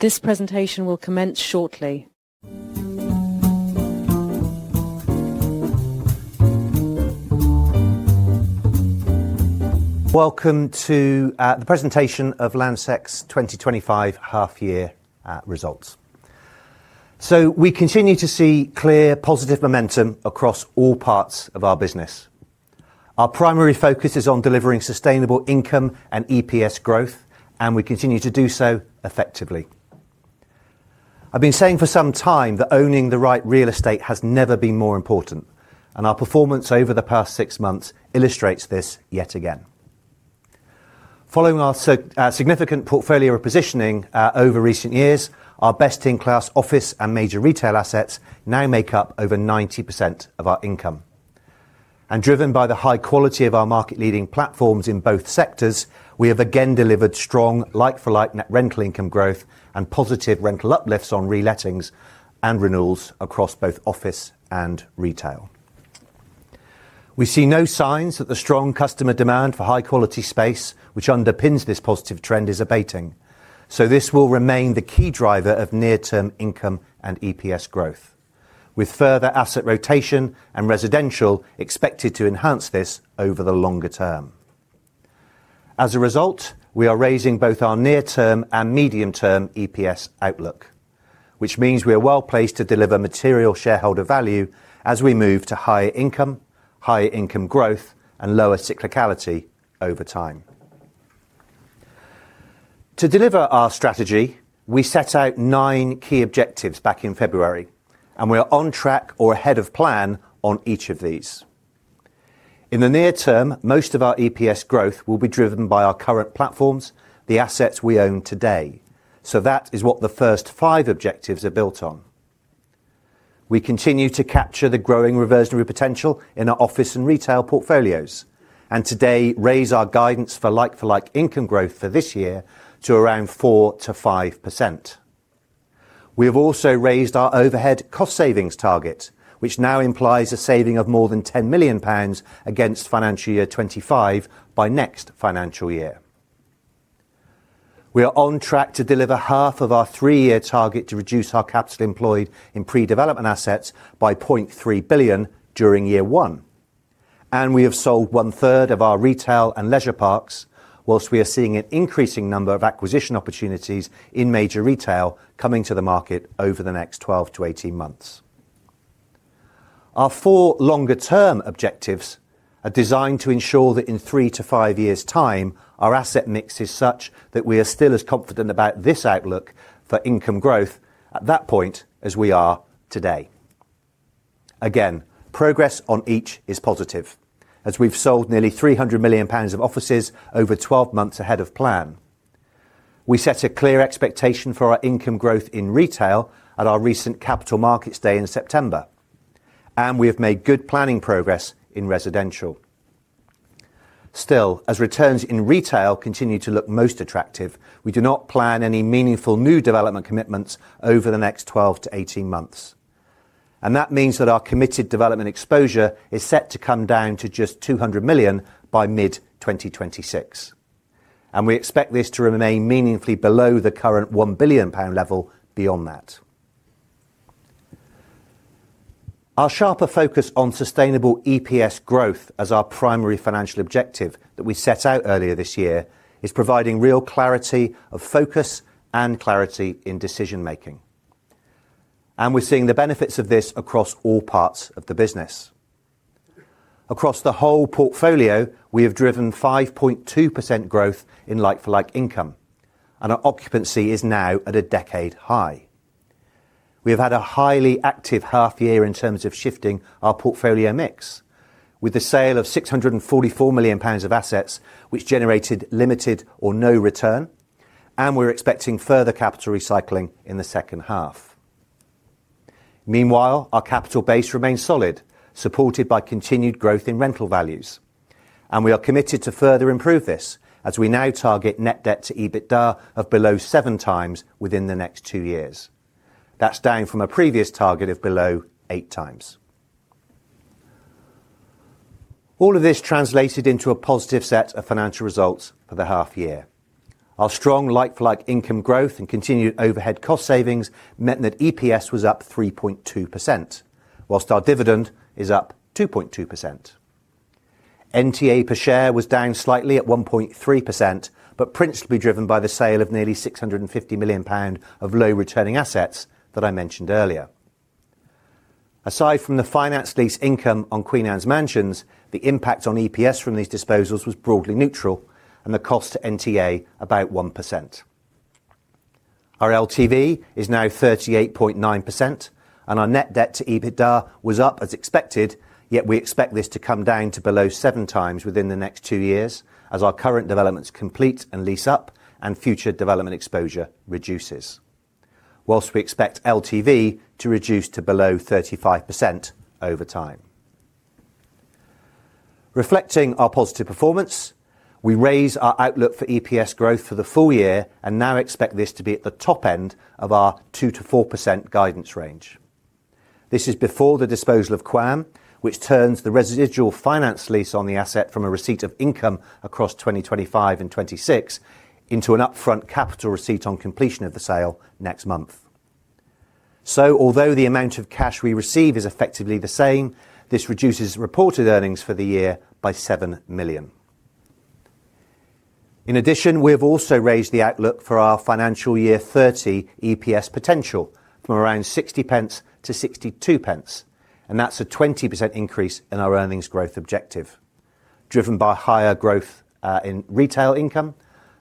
This presentation will commence shortly. Welcome to the presentation of Land Sec's 2025 half-year results. We continue to see clear, positive momentum across all parts of our business. Our primary focus is on delivering sustainable income and EPS growth, and we continue to do so effectively. I've been saying for some time that owning the right real estate has never been more important, and our performance over the past six months illustrates this yet again. Following our significant portfolio repositioning over recent years, our best-in-class office and major retail assets now make up over 90% of our income. Driven by the high quality of our market-leading platforms in both sectors, we have again delivered strong like-for-like net rental income growth and positive rental uplifts on relettings and renewals across both office and retail. We see no signs that the strong customer demand for high-quality space, which underpins this positive trend, is abating, so this will remain the key driver of near-term income and EPS growth, with further asset rotation and residential expected to enhance this over the longer term. As a result, we are raising both our near-term and medium-term EPS outlook, which means we are well placed to deliver material shareholder value as we move to higher income, higher income growth, and lower cyclicality over time. To deliver our strategy, we set out nine key objectives back in February, and we are on track or ahead of plan on each of these. In the near term, most of our EPS growth will be driven by our current platforms, the assets we own today, so that is what the first five objectives are built on. We continue to capture the growing reversionary potential in our office and retail portfolios and today raise our guidance for like-for-like income growth for this year to around 4%-5%. We have also raised our overhead cost savings target, which now implies a saving of more than 10 million pounds against financial year 2025 by next financial year. We are on track to deliver half of our three-year target to reduce our capital employed in pre-development assets by 0.3 billion during year one, and we have sold one-third of our retail and leisure parks, whilst we are seeing an increasing number of acquisition opportunities in major retail coming to the market over the next 12-18 months. Our four longer-term objectives are designed to ensure that in three to five years' time, our asset mix is such that we are still as confident about this outlook for income growth at that point as we are today. Again, progress on each is positive, as we have sold nearly 300 million pounds of offices over 12 months ahead of plan. We set a clear expectation for our income growth in retail at our recent capital markets day in September, and we have made good planning progress in residential. Still, as returns in retail continue to look most attractive, we do not plan any meaningful new development commitments over the next 12-18 months, and that means that our committed development exposure is set to come down to just 200 million by mid-2026, and we expect this to remain meaningfully below the current 1 billion pound level beyond that. Our sharper focus on sustainable EPS growth as our primary financial objective that we set out earlier this year is providing real clarity of focus and clarity in decision-making, and we're seeing the benefits of this across all parts of the business. Across the whole portfolio, we have driven 5.2% growth in like-for-like income, and our occupancy is now at a decade high. We have had a highly active half-year in terms of shifting our portfolio mix, with the sale of 644 million pounds of assets, which generated limited or no return, and we're expecting further capital recycling in the second half. Meanwhile, our capital base remains solid, supported by continued growth in rental values, and we are committed to further improve this as we now target net debt to EBITDA of below seven times within the next two years. That's down from a previous target of below eight times. All of this translated into a positive set of financial results for the half-year. Our strong like-for-like income growth and continued overhead cost savings meant that EPS was up 3.2%, whilst our dividend is up 2.2%. NTA per share was down slightly at 1.3%, but principally driven by the sale of nearly 650 million pound of low-returning assets that I mentioned earlier. Aside from the finance lease income on Queen Anne's Mansions, the impact on EPS from these disposals was broadly neutral, and the cost to NTA about 1%. Our LTV is now 38.9%, and our net debt to EBITDA was up as expected, yet we expect this to come down to below seven times within the next two years as our current developments complete and lease up, and future development exposure reduces, whilst we expect LTV to reduce to below 35% over time. Reflecting our positive performance, we raise our outlook for EPS growth for the full year and now expect this to be at the top end of our 2%-4% guidance range. This is before the disposal of Quam, which turns the residual finance lease on the asset from a receipt of income across 2025 and 2026 into an upfront capital receipt on completion of the sale next month. Although the amount of cash we receive is effectively the same, this reduces reported earnings for the year by 7 million. In addition, we have also raised the outlook for our financial year 2030 EPS potential from around 0.60 to 0.62, and that's a 20% increase in our earnings growth objective, driven by higher growth in retail income,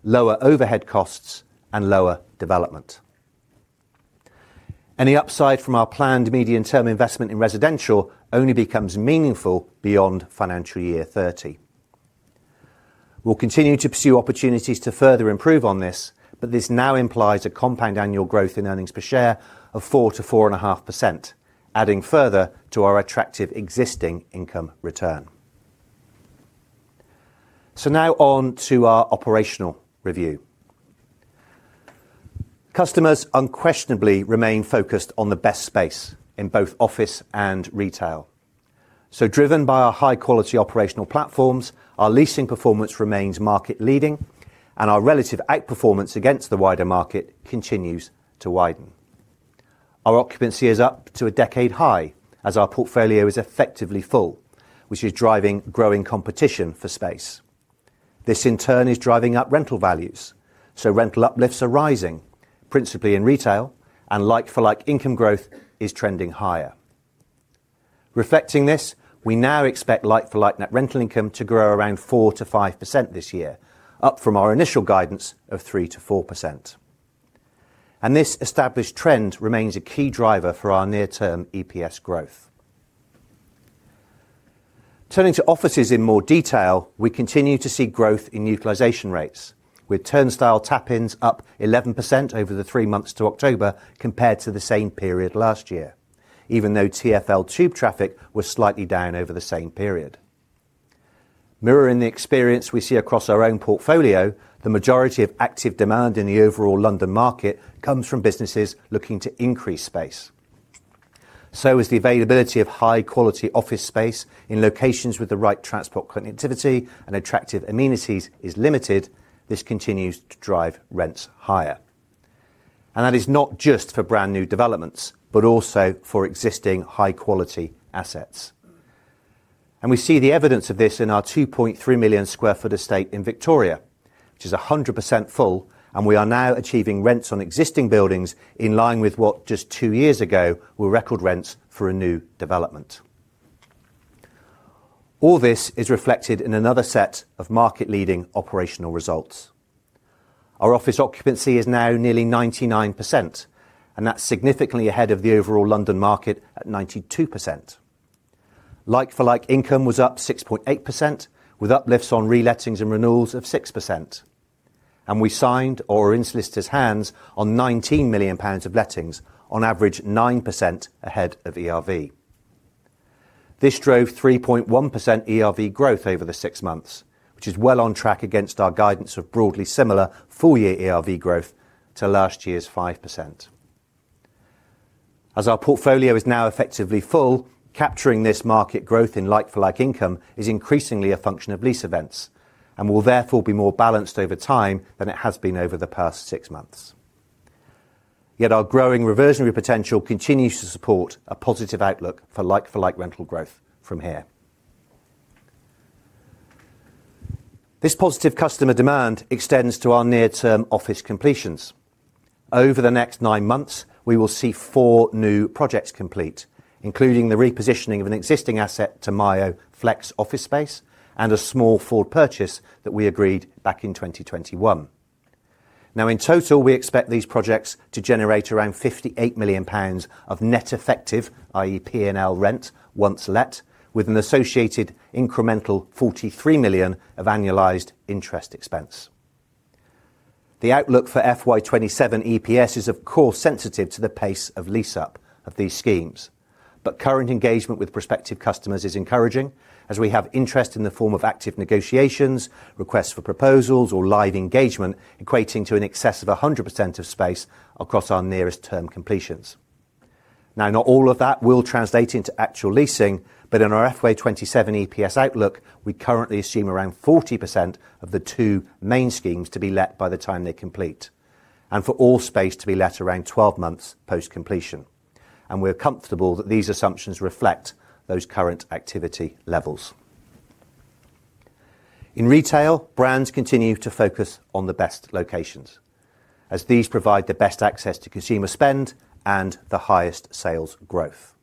lower overhead costs, and lower development. Any upside from our planned medium-term investment in residential only becomes meaningful beyond financial year 2030. We'll continue to pursue opportunities to further improve on this, but this now implies a compound annual growth in earnings per share of 4%-4.5%, adding further to our attractive existing income return. Now on to our operational review. Customers unquestionably remain focused on the best space in both office and retail, so driven by our high-quality operational platforms, our leasing performance remains market-leading, and our relative outperformance against the wider market continues to widen. Our occupancy is up to a decade high as our portfolio is effectively full, which is driving growing competition for space. This in turn is driving up rental values, so rental uplifts are rising, principally in retail, and like-for-like income growth is trending higher. Reflecting this, we now expect like-for-like net rental income to grow around 4%-5% this year, up from our initial guidance of 3%-4%, and this established trend remains a key driver for our near-term EPS growth. Turning to offices in more detail, we continue to see growth in utilization rates, with turnstile tap-ins up 11% over the three months to October compared to the same period last year, even though TfL tube traffic was slightly down over the same period. Mirroring the experience we see across our own portfolio, the majority of active demand in the overall London market comes from businesses looking to increase space. As the availability of high-quality office space in locations with the right transport connectivity and attractive amenities is limited, this continues to drive rents higher, and that is not just for brand new developments, but also for existing high-quality assets. We see the evidence of this in our 2.3 million sq ft estate in Victoria, which is 100% full, and we are now achieving rents on existing buildings in line with what just two years ago were record rents for a new development. All this is reflected in another set of market-leading operational results. Our office occupancy is now nearly 99%, and that is significantly ahead of the overall London market at 92%. Like-for-like income was up 6.8%, with uplifts on relettings and renewals of 6%, and we signed or enlisted hands on 19 million pounds of lettings, on average 9% ahead of ERV. This drove 3.1% ERV growth over the six months, which is well on track against our guidance of broadly similar full-year ERV growth to last year's 5%. As our portfolio is now effectively full, capturing this market growth in like-for-like income is increasingly a function of lease events and will therefore be more balanced over time than it has been over the past six months. Yet our growing reversionary potential continues to support a positive outlook for like-for-like rental growth from here. This positive customer demand extends to our near-term office completions. Over the next nine months, we will see four new projects complete, including the repositioning of an existing asset to MIO Flex Office Space and a small forward purchase that we agreed back in 2021. Now, in total, we expect these projects to generate around 58 million pounds of net effective, i.e., P&L rent once let, with an associated incremental 43 million of annualized interest expense. The outlook for FY27 EPS is, of course, sensitive to the pace of lease-up of these schemes, but current engagement with prospective customers is encouraging as we have interest in the form of active negotiations, requests for proposals, or live engagement equating to an excess of 100% of space across our nearest term completions. Now, not all of that will translate into actual leasing, but in our FY27 EPS outlook, we currently assume around 40% of the two main schemes to be let by the time they complete and for all space to be let around 12 months post-completion, and we're comfortable that these assumptions reflect those current activity levels. In retail, brands continue to focus on the best locations as these provide the best access to consumer spend and the highest sales growth.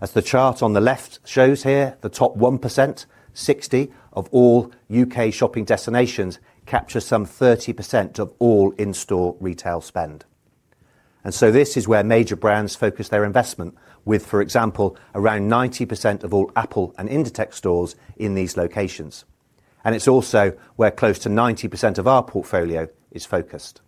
As the chart on the left shows here, the top 1%, 60% of all U.K. shopping destinations capture some 30% of all in-store retail spend, and this is where major brands focus their investment with, for example, around 90% of all Apple and Inditex stores in these locations, and it is also where close to 90% of our portfolio is focused.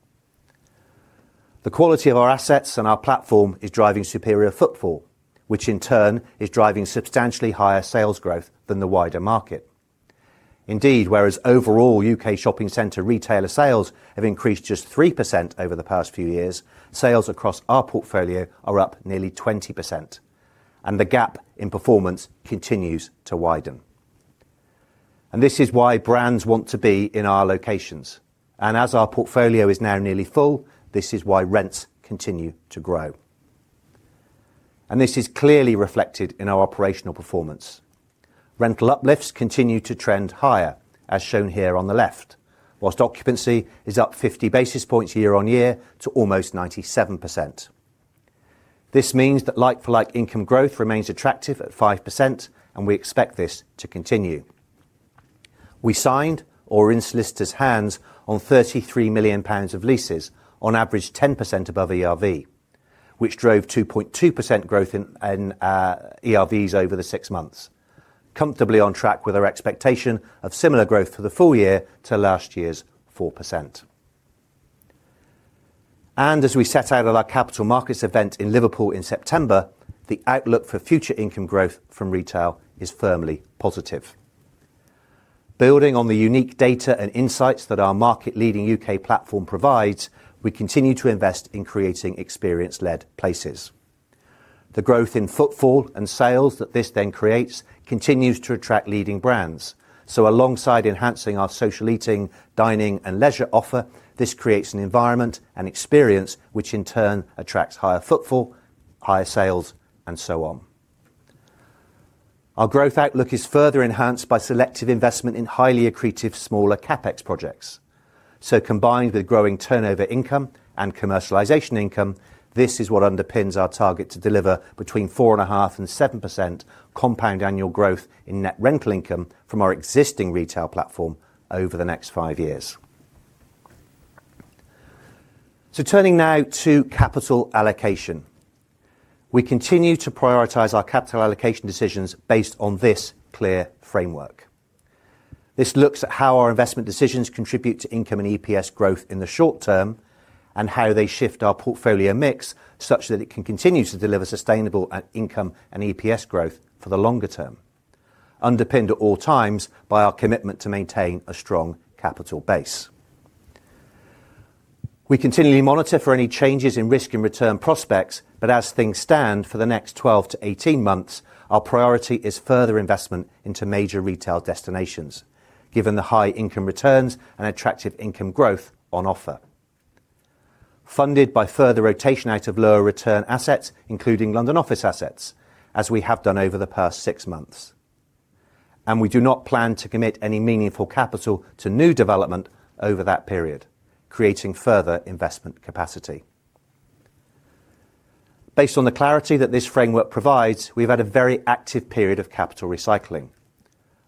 The quality of our assets and our platform is driving superior footfall, which in turn is driving substantially higher sales growth than the wider market. Indeed, whereas overall U.K. shopping center retailer sales have increased just 3% over the past few years, sales across our portfolio are up nearly 20%, and the gap in performance continues to widen. This is why brands want to be in our locations, and as our portfolio is now nearly full, this is why rents continue to grow, and this is clearly reflected in our operational performance. Rental uplifts continue to trend higher, as shown here on the left, while occupancy is up 50 basis points year on year to almost 97%. This means that like-for-like income growth remains attractive at 5%, and we expect this to continue. We signed or enlisted hands on 33 million pounds of leases, on average 10% above ERV, which drove 2.2% growth in ERVs over the six months, comfortably on track with our expectation of similar growth for the full year to last year's 4%. As we set out at our capital markets event in Liverpool in September, the outlook for future income growth from retail is firmly positive. Building on the unique data and insights that our market-leading U.K. platform provides, we continue to invest in creating experience-led places. The growth in footfall and sales that this then creates continues to attract leading brands, so alongside enhancing our social eating, dining, and leisure offer, this creates an environment and experience which in turn attracts higher footfall, higher sales, and so on. Our growth outlook is further enhanced by selective investment in highly accretive smaller CapEx projects, so combined with growing turnover income and commercialisation income, this is what underpins our target to deliver between 4.5% and 7% compound annual growth in net rental income from our existing retail platform over the next five years. Turning now to capital allocation, we continue to prioritise our capital allocation decisions based on this clear framework. This looks at how our investment decisions contribute to income and EPS growth in the short term and how they shift our portfolio mix such that it can continue to deliver sustainable income and EPS growth for the longer term, underpinned at all times by our commitment to maintain a strong capital base. We continually monitor for any changes in risk and return prospects, but as things stand for the next 12-18 months, our priority is further investment into major retail destinations, given the high income returns and attractive income growth on offer, funded by further rotation out of lower return assets, including London office assets, as we have done over the past six months, and we do not plan to commit any meaningful capital to new development over that period, creating further investment capacity. Based on the clarity that this framework provides, we've had a very active period of capital recycling.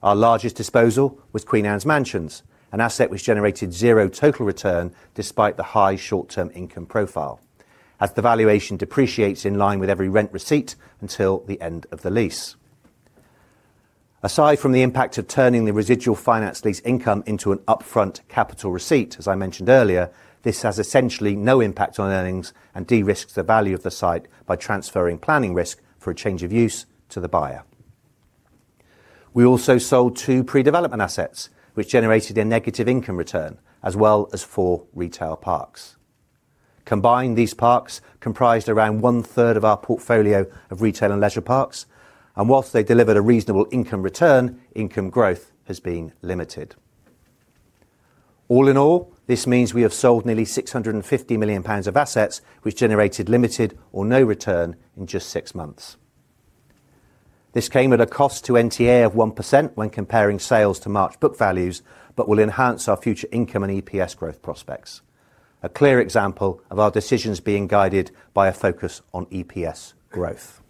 Our largest disposal was Queen Anne's Mansions, an asset which generated zero total return despite the high short-term income profile, as the valuation depreciates in line with every rent receipt until the end of the lease. Aside from the impact of turning the residual finance lease income into an upfront capital receipt, as I mentioned earlier, this has essentially no impact on earnings and de-risked the value of the site by transferring planning risk for a change of use to the buyer. We also sold two pre-development assets, which generated a negative income return, as well as four retail parks. Combined, these parks comprised around one-third of our portfolio of retail and leisure parks, and whilst they delivered a reasonable income return, income growth has been limited. All in all, this means we have sold nearly 650 million pounds of assets, which generated limited or no return in just six months. This came at a cost to NTA of 1% when comparing sales to March book values, but will enhance our future income and EPS growth prospects, a clear example of our decisions being guided by a focus on EPS growth.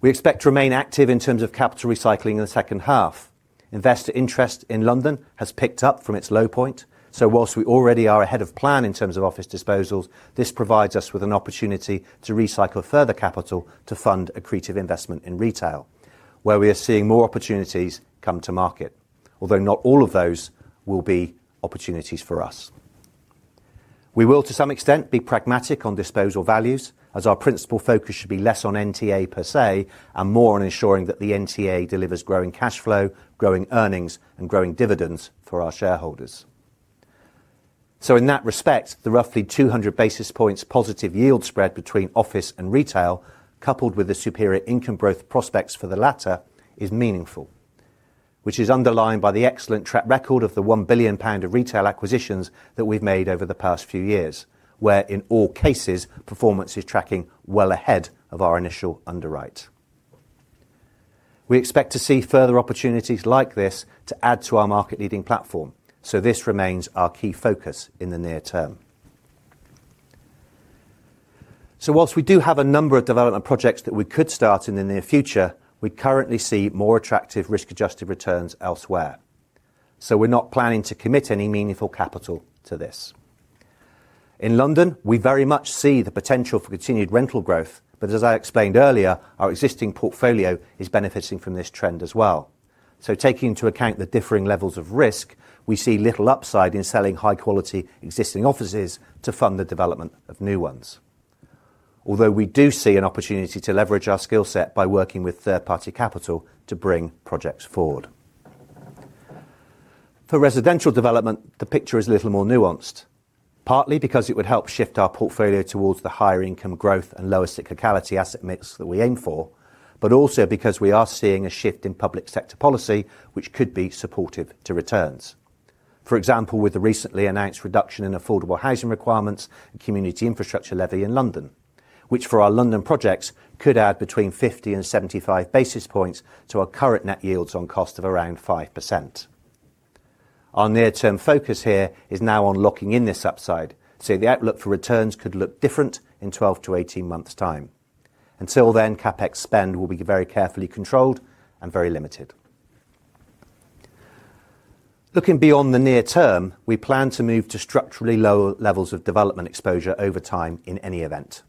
We expect to remain active in terms of capital recycling in the second half. Investor interest in London has picked up from its low point, so whilst we already are ahead of plan in terms of office disposals, this provides us with an opportunity to recycle further capital to fund accretive investment in retail, where we are seeing more opportunities come to market, although not all of those will be opportunities for us. We will, to some extent, be pragmatic on disposal values, as our principal focus should be less on NTA per se and more on ensuring that the NTA delivers growing cash flow, growing earnings, and growing dividends for our shareholders. In that respect, the roughly 200 basis points positive yield spread between office and retail, coupled with the superior income growth prospects for the latter, is meaningful, which is underlined by the excellent track record of the 1 billion pound of retail acquisitions that we've made over the past few years, where in all cases, performance is tracking well ahead of our initial underwrite. We expect to see further opportunities like this to add to our market-leading platform, so this remains our key focus in the near term. Whilst we do have a number of development projects that we could start in the near future, we currently see more attractive risk-adjusted returns elsewhere, so we're not planning to commit any meaningful capital to this. In London, we very much see the potential for continued rental growth, but as I explained earlier, our existing portfolio is benefiting from this trend as well, so taking into account the differing levels of risk, we see little upside in selling high-quality existing offices to fund the development of new ones, although we do see an opportunity to leverage our skill set by working with third-party capital to bring projects forward. For residential development, the picture is a little more nuanced, partly because it would help shift our portfolio towards the higher income growth and lower cyclicality asset mix that we aim for, but also because we are seeing a shift in public sector policy, which could be supportive to returns. For example, with the recently announced reduction in affordable housing requirements and community infrastructure levy in London, which for our London projects could add between 50-75 basis points to our current net yields on cost of around 5%. Our near-term focus here is now on locking in this upside, so the outlook for returns could look different in 12-18 months' time. Until then, CapEx spend will be very carefully controlled and very limited. Looking beyond the near term, we plan to move to structurally lower levels of development exposure over time in any event,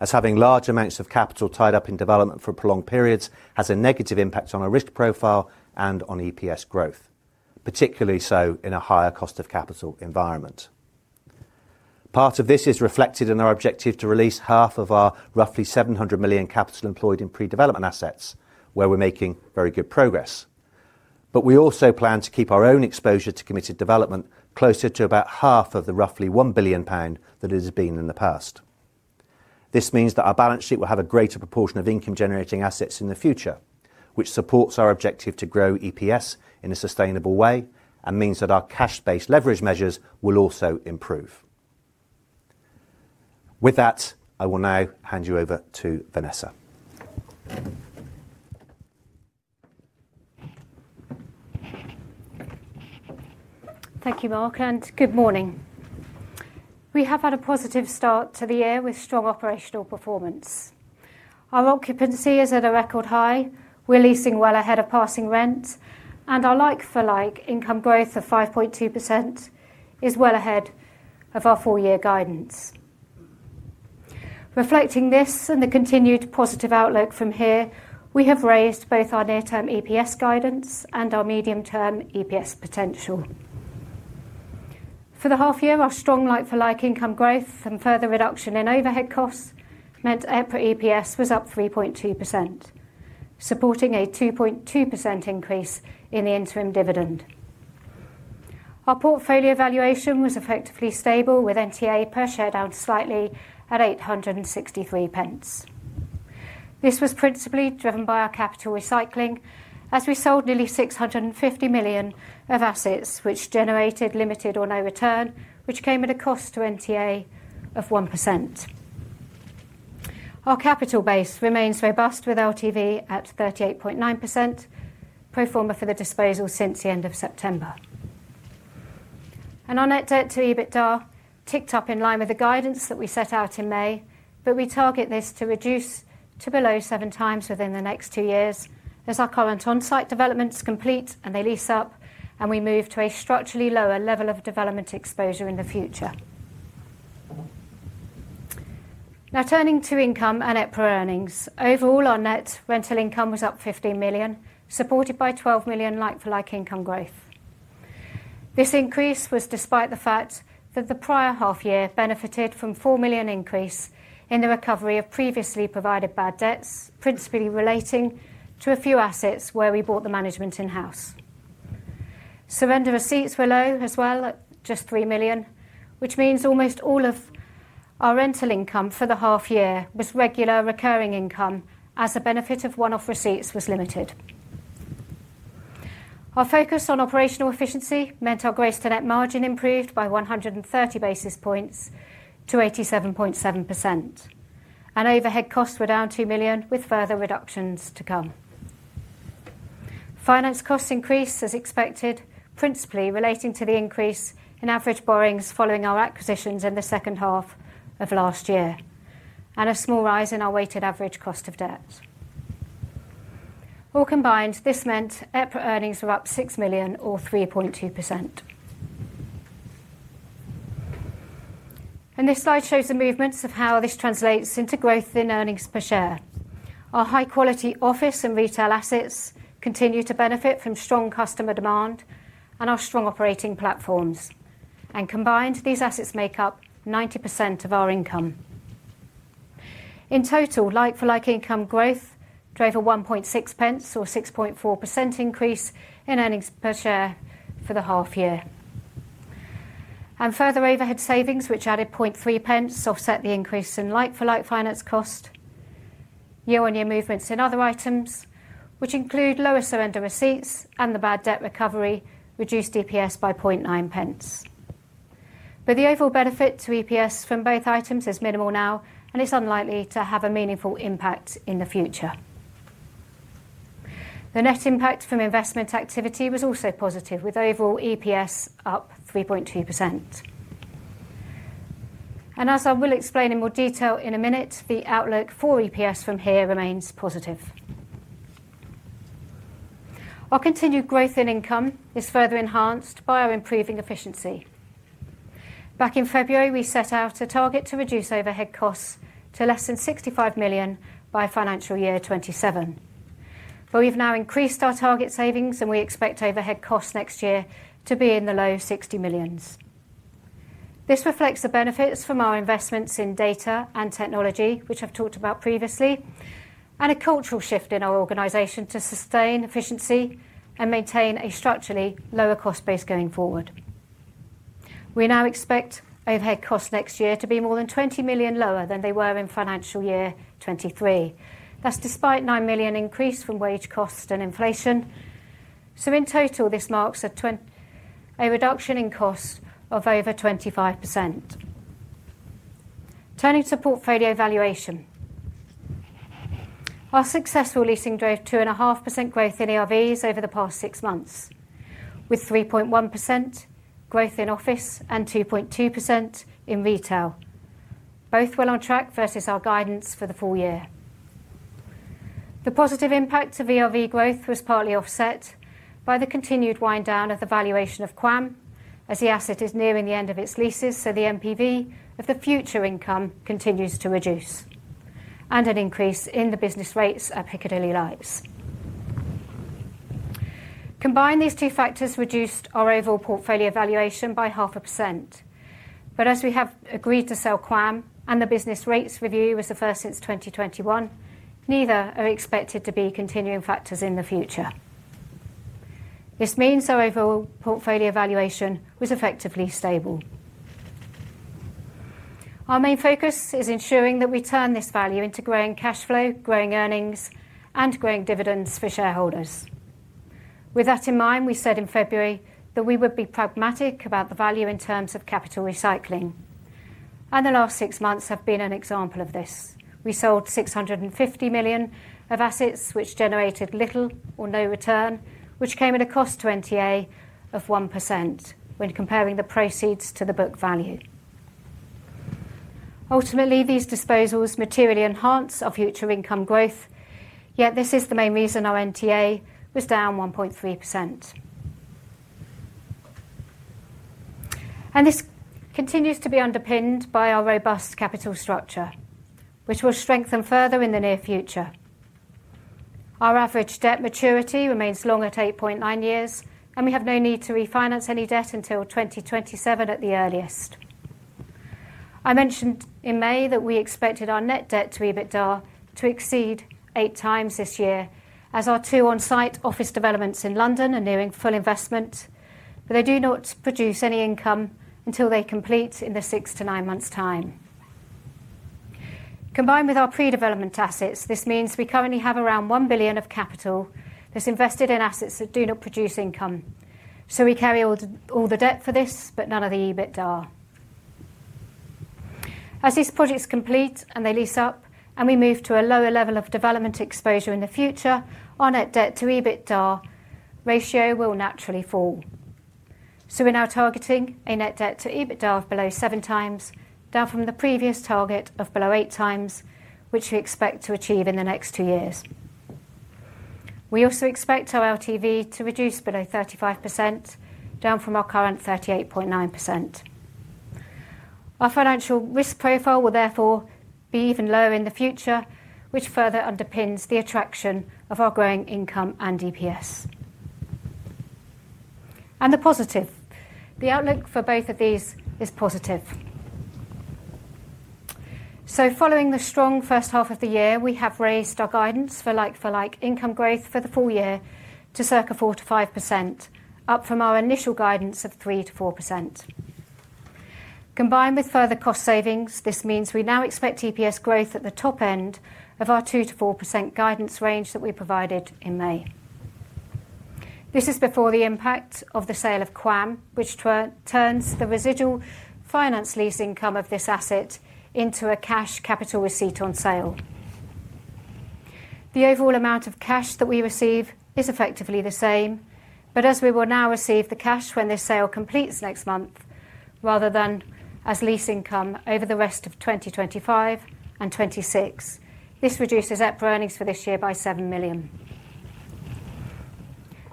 as having large amounts of capital tied up in development for prolonged periods has a negative impact on our risk profile and on EPS growth, particularly so in a higher cost of capital environment. Part of this is reflected in our objective to release half of our roughly 700 million capital employed in pre-development assets, where we're making very good progress, but we also plan to keep our own exposure to committed development closer to about half of the roughly 1 billion pound that it has been in the past. This means that our balance sheet will have a greater proportion of income-generating assets in the future, which supports our objective to grow EPS in a sustainable way and means that our cash-based leverage measures will also improve. With that, I will now hand you over to Vanessa Simms [CFO] (Land Securities Group plc) Simms [CFO] (Land Securities Group plc). Thank you, Mark, and good morning. We have had a positive start to the year with strong operational performance. Our occupancy is at a record high, we are leasing well ahead of passing rent, and our like-for-like income growth of 5.2% is well ahead of our full-year guidance. Reflecting this and the continued positive outlook from here, we have raised both our near-term EPS guidance and our medium-term EPS potential. For the half year, our strong like-for-like income growth and further reduction in overhead costs meant EPS was up 3.2%, supporting a 2.2% increase in the interim dividend. Our portfolio valuation was effectively stable, with NTA per share down slightly at 8.63. This was principally driven by our capital recycling, as we sold nearly 650 million of assets, which generated limited or no return, which came at a cost to NTA of 1%. Our capital base remains robust with LTV at 38.9%, pro forma for the disposal since the end of September. Our net debt to EBITDA ticked up in line with the guidance that we set out in May, but we target this to reduce to below seven times within the next two years as our current on-site developments complete and they lease up, and we move to a structurally lower level of development exposure in the future. Now turning to income and EPRA Earnings, overall our net rental income was up 15 million, supported by 12 million like-for-like income growth. This increase was despite the fact that the prior half year benefited from 4 million increase in the recovery of previously provided bad debts, principally relating to a few assets where we brought the management in-house. Surrender receipts were low as well, just 3 million, which means almost all of our rental income for the half year was regular recurring income as the benefit of one-off receipts was limited. Our focus on operational efficiency meant our gross to net margin improved by 130 basis points to 87.7%, and overhead costs were down 2 million, with further reductions to come. Finance costs increased, as expected, principally relating to the increase in average borrowings following our acquisitions in the second half of last year and a small rise in our weighted average cost of debt. All combined, this meant EPRA Earnings were up 6 million, or 3.2%. This slide shows the movements of how this translates into growth in earnings per share. Our high-quality office and retail assets continue to benefit from strong customer demand and our strong operating platforms, and combined, these assets make up 90% of our income. In total, like-for-like income growth drove a 1.6 pence, or 6.4%, increase in earnings per share for the half year. Further overhead savings, which added 0.3 pence, offset the increase in like-for-like finance cost. Year-on-year movements in other items, which include lower surrender receipts and the bad debt recovery, reduced EPS by 0.9 pence. The overall benefit to EPS from both items is minimal now and is unlikely to have a meaningful impact in the future. The net impact from investment activity was also positive, with overall EPS up 3.2%. As I will explain in more detail in a minute, the outlook for EPS from here remains positive. Our continued growth in income is further enhanced by our improving efficiency. Back in February, we set out a target to reduce overhead costs to less than 65 million by financial year 2027, but we have now increased our target savings and we expect overhead costs next year to be in the low 60 millions. This reflects the benefits from our investments in data and technology, which I have talked about previously, and a cultural shift in our organization to sustain efficiency and maintain a structurally lower cost base going forward. We now expect overhead costs next year to be more than 20 million lower than they were in financial year 2023, that is despite a 9 million increase from wage costs and inflation. In total, this marks a reduction in costs of over 25%. Turning to portfolio valuation, our successful leasing drove 2.5% growth in ERVs over the past six months, with 3.1% growth in office and 2.2% in retail, both well on track versus our guidance for the full year. The positive impact of ERV growth was partly offset by the continued wind down of the valuation of QAM, as the asset is nearing the end of its leases, so the MPV of the future income continues to reduce, and an increase in the business rates at Piccadilly Lights. Combined, these two factors reduced our overall portfolio valuation by 0.5%, but as we have agreed to sell QAM and the business rates review was the first since 2021, neither are expected to be continuing factors in the future. This means our overall portfolio valuation was effectively stable. Our main focus is ensuring that we turn this value into growing cash flow, growing earnings, and growing dividends for shareholders. With that in mind, we said in February that we would be pragmatic about the value in terms of capital recycling, and the last six months have been an example of this. We sold 650 million of assets, which generated little or no return, which came at a cost to NTA of 1% when comparing the proceeds to the book value. Ultimately, these disposals materially enhance our future income growth, yet this is the main reason our NTA was down 1.3%. This continues to be underpinned by our robust capital structure, which will strengthen further in the near future. Our average debt maturity remains long at 8.9 years, and we have no need to refinance any debt until 2027 at the earliest. I mentioned in May that we expected our net debt to EBITDA to exceed eight times this year, as our two on-site office developments in London are nearing full investment, but they do not produce any income until they complete in the six- to nine-months' time. Combined with our pre-development assets, this means we currently have around 1 billion of capital that's invested in assets that do not produce income, so we carry all the debt for this, but none of the EBITDA. As these projects complete and they lease up, and we move to a lower level of development exposure in the future, our net debt to EBITDA ratio will naturally fall. We are now targeting a net debt to EBITDA of below seven times, down from the previous target of below eight times, which we expect to achieve in the next two years. We also expect our LTV to reduce below 35%, down from our current 38.9%. Our financial risk profile will therefore be even lower in the future, which further underpins the attraction of our growing income and EPS. The outlook for both of these is positive. Following the strong first half of the year, we have raised our guidance for like-for-like income growth for the full year to circa 4-5%, up from our initial guidance of 3-4%. Combined with further cost savings, this means we now expect EPS growth at the top end of our 2-4% guidance range that we provided in May. This is before the impact of the sale of QAM, which turns the residual finance lease income of this asset into a cash capital receipt on sale. The overall amount of cash that we receive is effectively the same, but as we will now receive the cash when this sale completes next month, rather than as lease income over the rest of 2025 and 2026, this reduces EPRA earnings for this year by 7 million.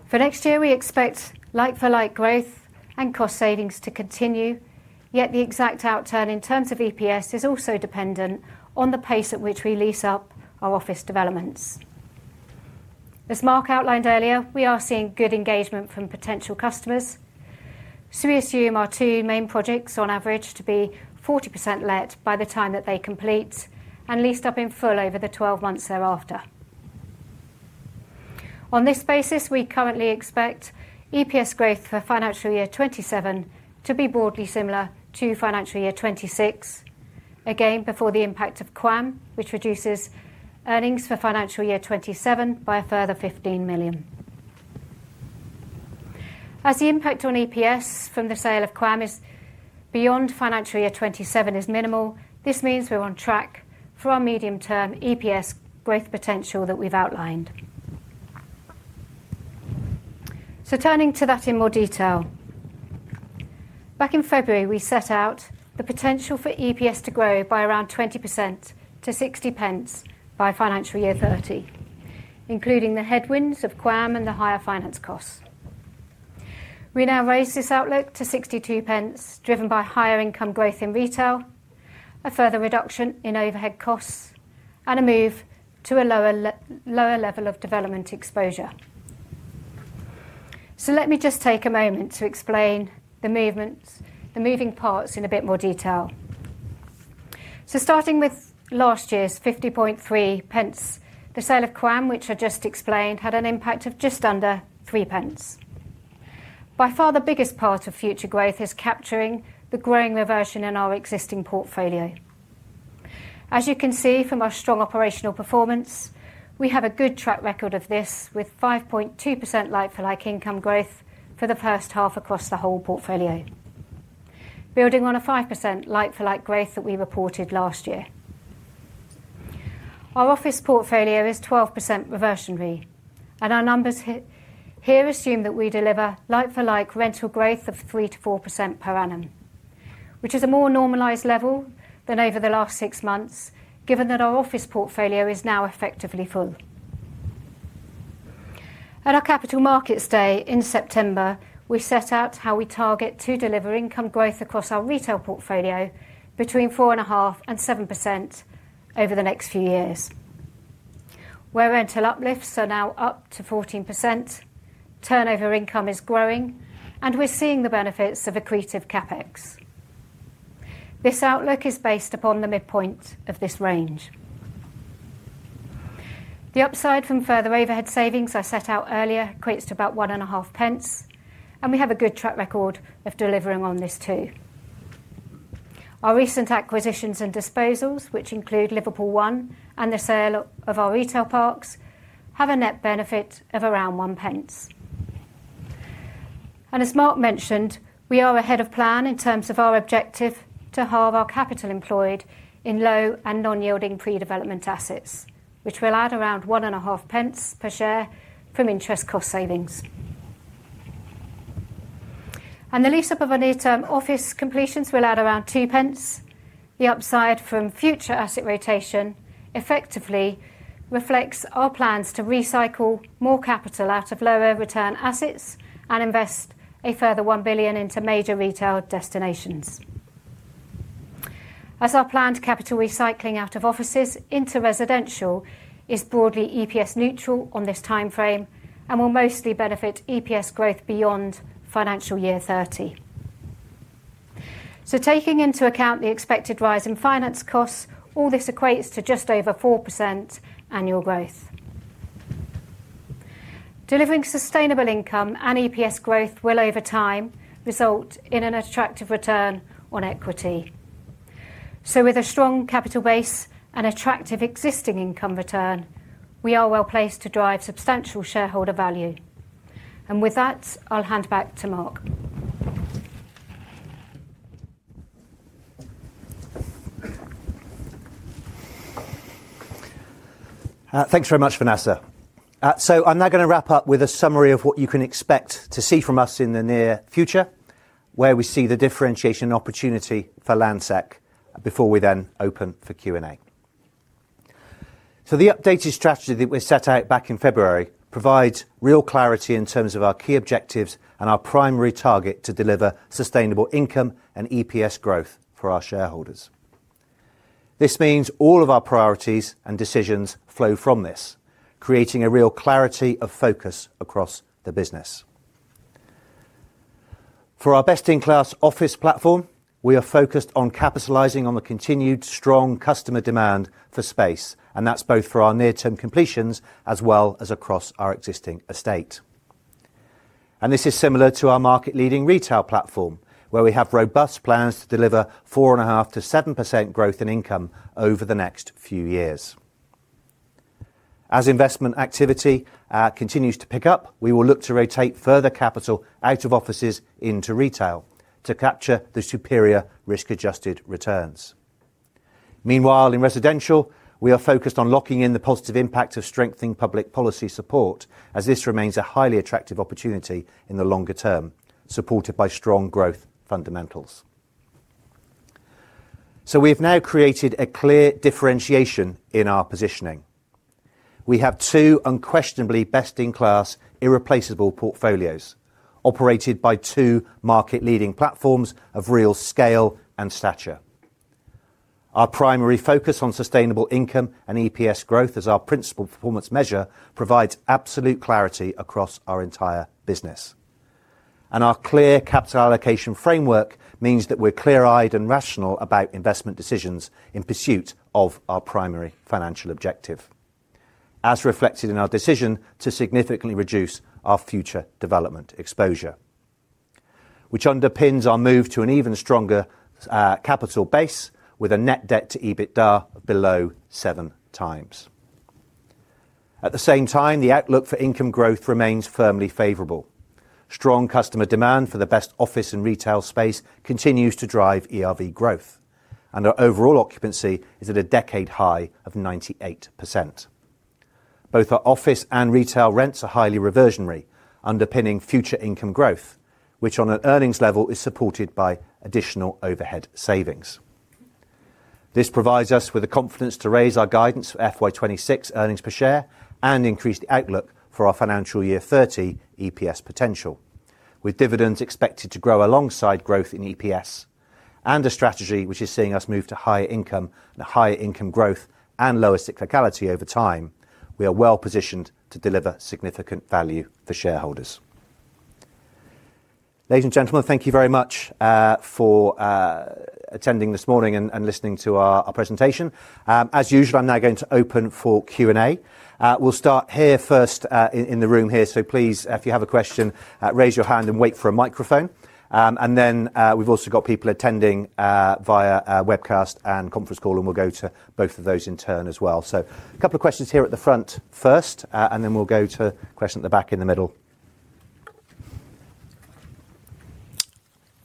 For next year, we expect like-for-like growth and cost savings to continue, yet the exact outturn in terms of EPS is also dependent on the pace at which we lease up our office developments. As Mark outlined earlier, we are seeing good engagement from potential customers, so we assume our two main projects on average to be 40% let by the time that they complete and leased up in full over the 12 months thereafter. On this basis, we currently expect EPS growth for financial year 2027 to be broadly similar to financial year 2026, again before the impact of QAM, which reduces earnings for financial year 2027 by a further 15 million. As the impact on EPS from the sale of QAM is beyond financial year 2027, it is minimal. This means we're on track for our medium-term EPS growth potential that we've outlined. Turning to that in more detail, back in February, we set out the potential for EPS to grow by around 20% to 0.60 by financial year 2030, including the headwinds of QAM and the higher finance costs. We now raise this outlook to 0.62, driven by higher income growth in retail, a further reduction in overhead costs, and a move to a lower level of development exposure. Let me just take a moment to explain the moving parts in a bit more detail. Starting with last year's 50.3 million, the sale of QAM, which I just explained, had an impact of just under 0.03 million. By far, the biggest part of future growth is capturing the growing reversion in our existing portfolio. As you can see from our strong operational performance, we have a good track record of this with 5.2% like-for-like income growth for the first half across the whole portfolio, building on a 5% like-for-like growth that we reported last year. Our office portfolio is 12% reversionary, and our numbers here assume that we deliver like-for-like rental growth of 3-4% per annum, which is a more normalised level than over the last six months, given that our office portfolio is now effectively full. At our capital markets day in September, we set out how we target to deliver income growth across our retail portfolio between 4.5%-7% over the next few years. Where rental uplifts are now up to 14%, turnover income is growing, and we're seeing the benefits of accretive CapEx. This outlook is based upon the midpoint of this range. The upside from further overhead savings I set out earlier equates to about 1.5, and we have a good track record of delivering on this too. Our recent acquisitions and disposals, which include Liverpool One and the sale of our retail parks, have a net benefit of around 0.01. As Mark mentioned, we are ahead of plan in terms of our objective to halve our capital employed in low and non-yielding pre-development assets, which will add around 1.5 per share from interest cost savings. The lease-up of near-term office completions will add around 0.02. The upside from future asset rotation effectively reflects our plans to recycle more capital out of lower return assets and invest a further 1 billion into major retail destinations. As our planned capital recycling out of offices into residential is broadly EPS neutral on this timeframe and will mostly benefit EPS growth beyond financial year 2030. Taking into account the expected rise in finance costs, all this equates to just over 4% annual growth. Delivering sustainable income and EPS growth will, over time, result in an attractive return on equity. With a strong capital base and attractive existing income return, we are well placed to drive substantial shareholder value. With that, I'll hand back to Mark. Thanks very much, Vanessa. I'm now going to wrap up with a summary of what you can expect to see from us in the near future, where we see the differentiation opportunity for Land Sec before we then open for Q&A. The updated strategy that we set out back in February provides real clarity in terms of our key objectives and our primary target to deliver sustainable income and EPS growth for our shareholders. This means all of our priorities and decisions flow from this, creating a real clarity of focus across the business. For our best-in-class office platform, we are focused on capitalizing on the continued strong customer demand for space, and that's both for our near-term completions as well as across our existing estate. This is similar to our market-leading retail platform, where we have robust plans to deliver 4.5%-7% growth in income over the next few years. As investment activity continues to pick up, we will look to rotate further capital out of offices into retail to capture the superior risk-adjusted returns. Meanwhile, in residential, we are focused on locking in the positive impact of strengthening public policy support, as this remains a highly attractive opportunity in the longer term, supported by strong growth fundamentals. We have now created a clear differentiation in our positioning. We have two unquestionably best-in-class, irreplaceable portfolios operated by two market-leading platforms of real scale and stature. Our primary focus on sustainable income and EPS growth as our principal performance measure provides absolute clarity across our entire business. Our clear capital allocation framework means that we're clear-eyed and rational about investment decisions in pursuit of our primary financial objective, as reflected in our decision to significantly reduce our future development exposure, which underpins our move to an even stronger capital base with a net debt to EBITDA below 7 times. At the same time, the outlook for income growth remains firmly favorable. Strong customer demand for the best office and retail space continues to drive ERV growth, and our overall occupancy is at a decade high of 98%. Both our office and retail rents are highly reversionary, underpinning future income growth, which on an earnings level is supported by additional overhead savings. This provides us with the confidence to raise our guidance for FY 2026 earnings per share and increase the outlook for our financial year 2030 EPS potential, with dividends expected to grow alongside growth in EPS. A strategy which is seeing us move to higher income and higher income growth and lower cyclicality over time, we are well positioned to deliver significant value for shareholders. Ladies and gentlemen, thank you very much for attending this morning and listening to our presentation. As usual, I'm now going to open for Q&A. We'll start here first in the room here, so please, if you have a question, raise your hand and wait for a microphone. We have also got people attending via webcast and conference call, and we'll go to both of those in turn as well. A couple of questions here at the front first, and then we'll go to a question at the back in the middle.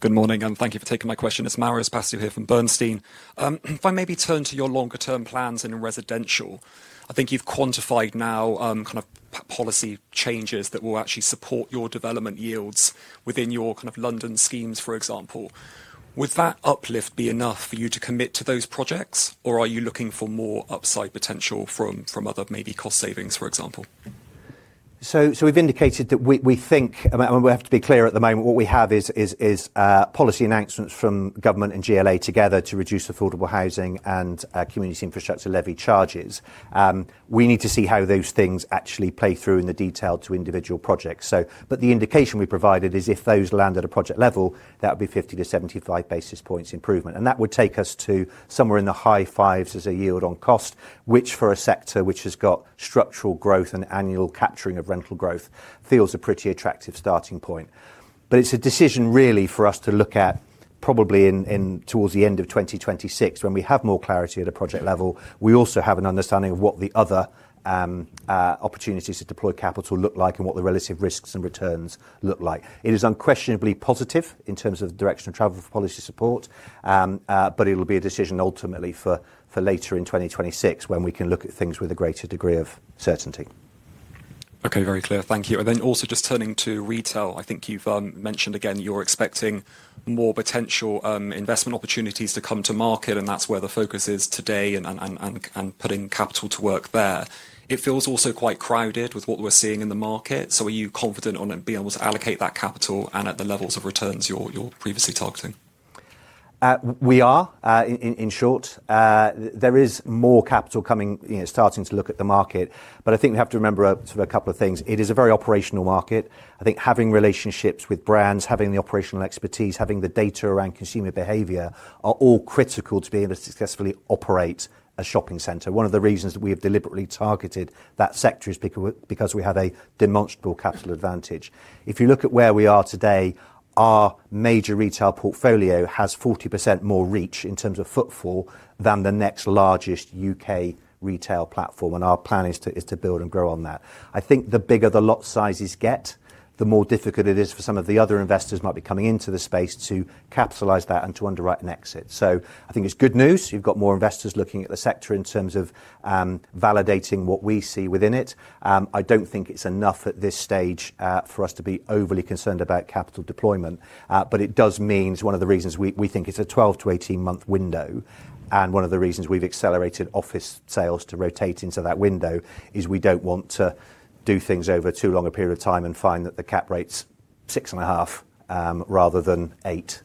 Good morning, and thank you for taking my question. It's Maris Passio here from Bernstein. If I may be turned to your longer-term plans in residential, I think you've quantified now kind of policy changes that will actually support your development yields within your kind of London schemes, for example. Would that uplift be enough for you to commit to those projects, or are you looking for more upside potential from other maybe cost savings, for example? We have indicated that we think, and we have to be clear at the moment, what we have is policy announcements from government and GLA together to reduce affordable housing and community infrastructure levy charges. We need to see how those things actually play through in the detail to individual projects. The indication we provided is if those land at a project level, that would be 50-75 basis points improvement. That would take us to somewhere in the high fives as a yield on cost, which for a sector which has got structural growth and annual capturing of rental growth feels a pretty attractive starting point. It is a decision really for us to look at probably towards the end of 2026 when we have more clarity at a project level. We also have an understanding of what the other opportunities to deploy capital look like and what the relative risks and returns look like. It is unquestionably positive in terms of the direction of travel for policy support, but it will be a decision ultimately for later in 2026 when we can look at things with a greater degree of certainty. Okay, very clear. Thank you. Also, just turning to retail, I think you've mentioned again you're expecting more potential investment opportunities to come to market, and that's where the focus is today and putting capital to work there. It feels also quite crowded with what we're seeing in the market, so are you confident on being able to allocate that capital and at the levels of returns you're previously targeting? We are, in short. There is more capital coming, starting to look at the market, but I think we have to remember a couple of things. It is a very operational market. I think having relationships with brands, having the operational expertise, having the data around consumer behavior are all critical to being able to successfully operate a shopping center. One of the reasons that we have deliberately targeted that sector is because we have a demonstrable capital advantage. If you look at where we are today, our major retail portfolio has 40% more reach in terms of footfall than the next largest U.K. retail platform, and our plan is to build and grow on that. I think the bigger the lot sizes get, the more difficult it is for some of the other investors who might be coming into the space to capitalize that and to underwrite an exit. I think it's good news. You've got more investors looking at the sector in terms of validating what we see within it. I do not think it is enough at this stage for us to be overly concerned about capital deployment, but it does mean one of the reasons we think it is a 12-18 month window, and one of the reasons we have accelerated office sales to rotate into that window is we do not want to do things over too long a period of time and find that the cap rate is 6.5 rather than 8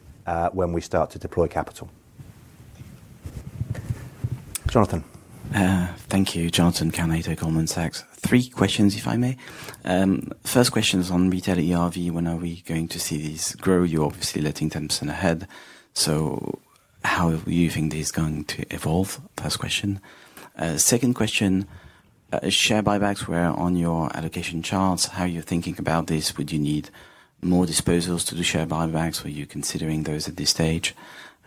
when we start to deploy capital. Jonathan. Thank you. Jonathan Carnay, Goldman Sachs. Three questions, if I may. First question is on retail ERV. When are we going to see these grow? You are obviously letting 10% ahead. How do you think this is going to evolve? First question. Second question, share buybacks were on your allocation charts. How are you thinking about this? Would you need more disposals to do share buybacks? Are you considering those at this stage?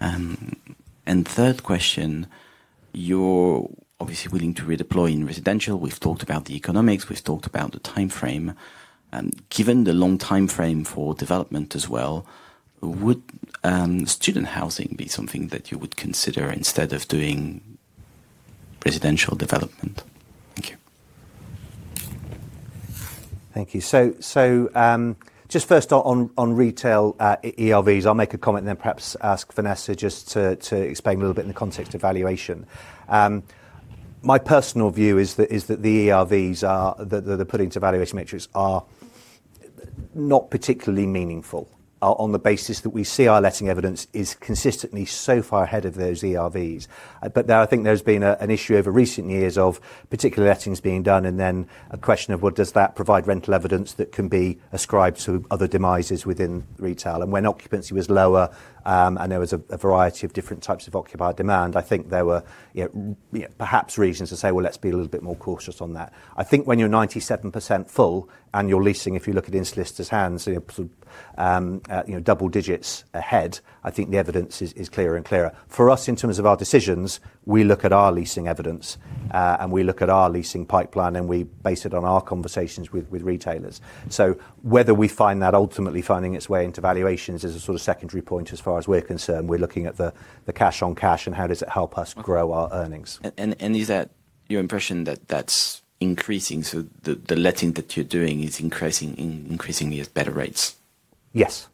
Third question, you're obviously willing to redeploy in residential. We've talked about the economics. We've talked about the timeframe. Given the long timeframe for development as well, would student housing be something that you would consider instead of doing residential development? Thank you. Thank you. Just first on retail ERVs, I'll make a comment and then perhaps ask Vanessa Simms just to explain a little bit in the context of valuation. My personal view is that the ERVs that are put into valuation matrix are not particularly meaningful on the basis that we see our letting evidence is consistently so far ahead of those ERVs. I think there's been an issue over recent years of particular lettings being done and then a question of, does that provide rental evidence that can be ascribed to other demises within retail? When occupancy was lower and there was a variety of different types of occupied demand, I think there were perhaps reasons to say, well, let's be a little bit more cautious on that. I think when you're 97% full and you're leasing, if you look at interest listed hands, double digits ahead, I think the evidence is clearer and clearer. For us, in terms of our decisions, we look at our leasing evidence and we look at our leasing pipeline and we base it on our conversations with retailers. Whether we find that ultimately finding its way into valuations is a sort of secondary point as far as we're concerned. We're looking at the cash on cash and how does it help us grow our earnings. Is that your impression that that's increasing? The letting that you're doing is increasing at better rates? Yes.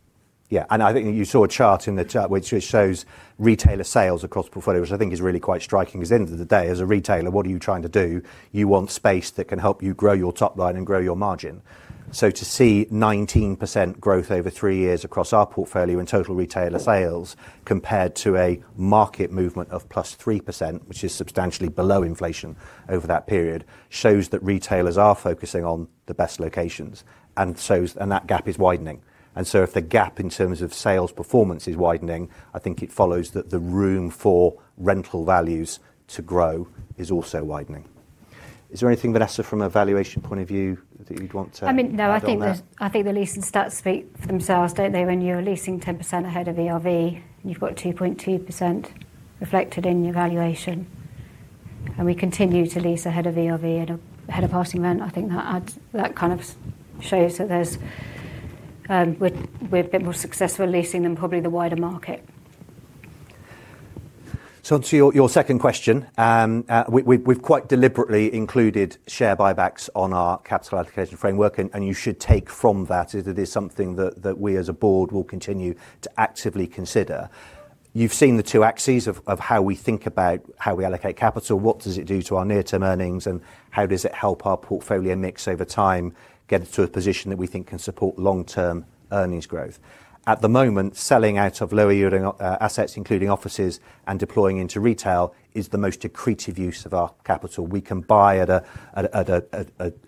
Yeah. I think you saw a chart in the chart which shows retailer sales across portfolio, which I think is really quite striking because at the end of the day, as a retailer, what are you trying to do? You want space that can help you grow your top line and grow your margin. To see 19% growth over three years across our portfolio in total retailer sales compared to a market movement of +3%, which is substantially below inflation over that period, shows that retailers are focusing on the best locations and that gap is widening. If the gap in terms of sales performance is widening, I think it follows that the room for rental values to grow is also widening. Is there anything, Vanessa, from a valuation point of view that you'd want to add? I mean, no, I think the leases start to speak for themselves, do not they? When you are leasing 10% ahead of ERV, you have got 2.2% reflected in your valuation. And we continue to lease ahead of ERV and ahead of passing rent. I think that kind of shows that we are a bit more successful at leasing than probably the wider market. To your second question, we have quite deliberately included share buybacks on our capital allocation framework, and you should take from that that it is something that we as a board will continue to actively consider. You have seen the two axes of how we think about how we allocate capital. What does it do to our near-term earnings and how does it help our portfolio mix over time get to a position that we think can support long-term earnings growth? At the moment, selling out of lower yielding assets, including offices, and deploying into retail is the most accretive use of our capital. We can buy at an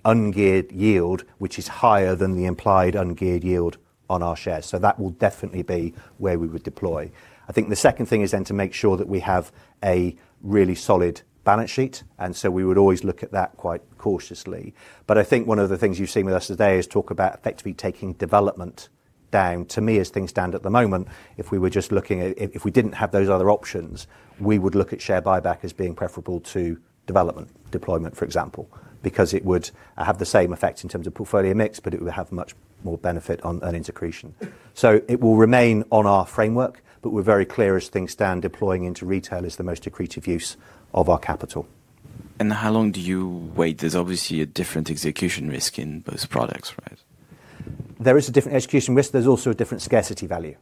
ungeared yield, which is higher than the implied ungeared yield on our shares. That will definitely be where we would deploy. I think the second thing is then to make sure that we have a really solid balance sheet. We would always look at that quite cautiously. I think one of the things you have seen with us today is talk about effectively taking development down. To me, as things stand at the moment, if we were just looking at, if we did not have those other options, we would look at share buyback as being preferable to development deployment, for example, because it would have the same effect in terms of portfolio mix, but it would have much more benefit on earnings accretion. It will remain on our framework, but we are very clear as things stand, deploying into retail is the most accretive use of our capital. How long do you wait? There is obviously a different execution risk in both products, right? There is a different execution risk. There is also a different scarcity value.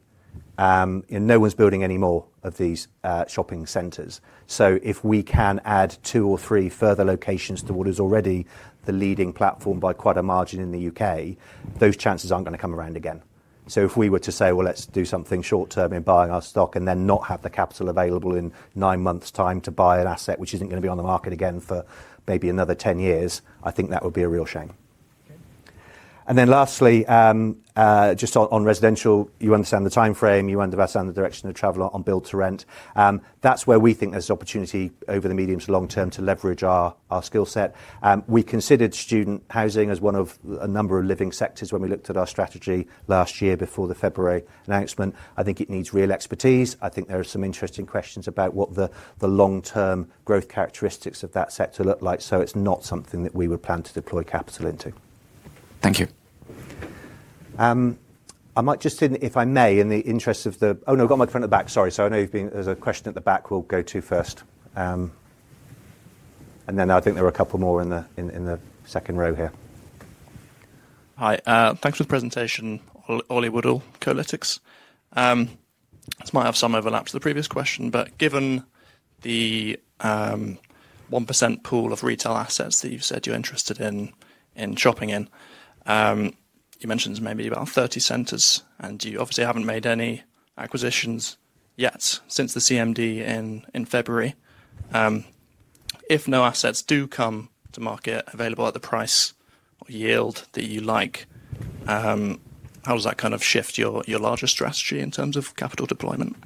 No one is building any more of these shopping centers. If we can add two or three further locations to what is already the leading platform by quite a margin in the U.K., those chances are not going to come around again. If we were to say, let's do something short-term in buying our stock and then not have the capital available in nine months' time to buy an asset which is not going to be on the market again for maybe another 10 years, I think that would be a real shame. Lastly, just on residential, you understand the timeframe. You understand the direction of travel on build to rent. That is where we think there is opportunity over the medium to long term to leverage our skill set. We considered student housing as one of a number of living sectors when we looked at our strategy last year before the February announcement. I think it needs real expertise. I think there are some interesting questions about what the long-term growth characteristics of that sector look like. It is not something that we would plan to deploy capital into. Thank you. I might just, if I may, in the interest of the, oh no, I have got my question at the back. Sorry. I know you have been, there is a question at the back we will go to first. I think there are a couple more in the second row here. Hi. Thanks for the presentation, Ollie Woodall, Kolytics. This might have some overlap to the previous question, but given the 1% pool of retail assets that you have said you are interested in shopping in, you mentioned there is maybe about 30 centers and you obviously have not made any acquisitions yet since the CMD in February. If no assets do come to market available at the price or yield that you like, how does that kind of shift your larger strategy in terms of capital deployment?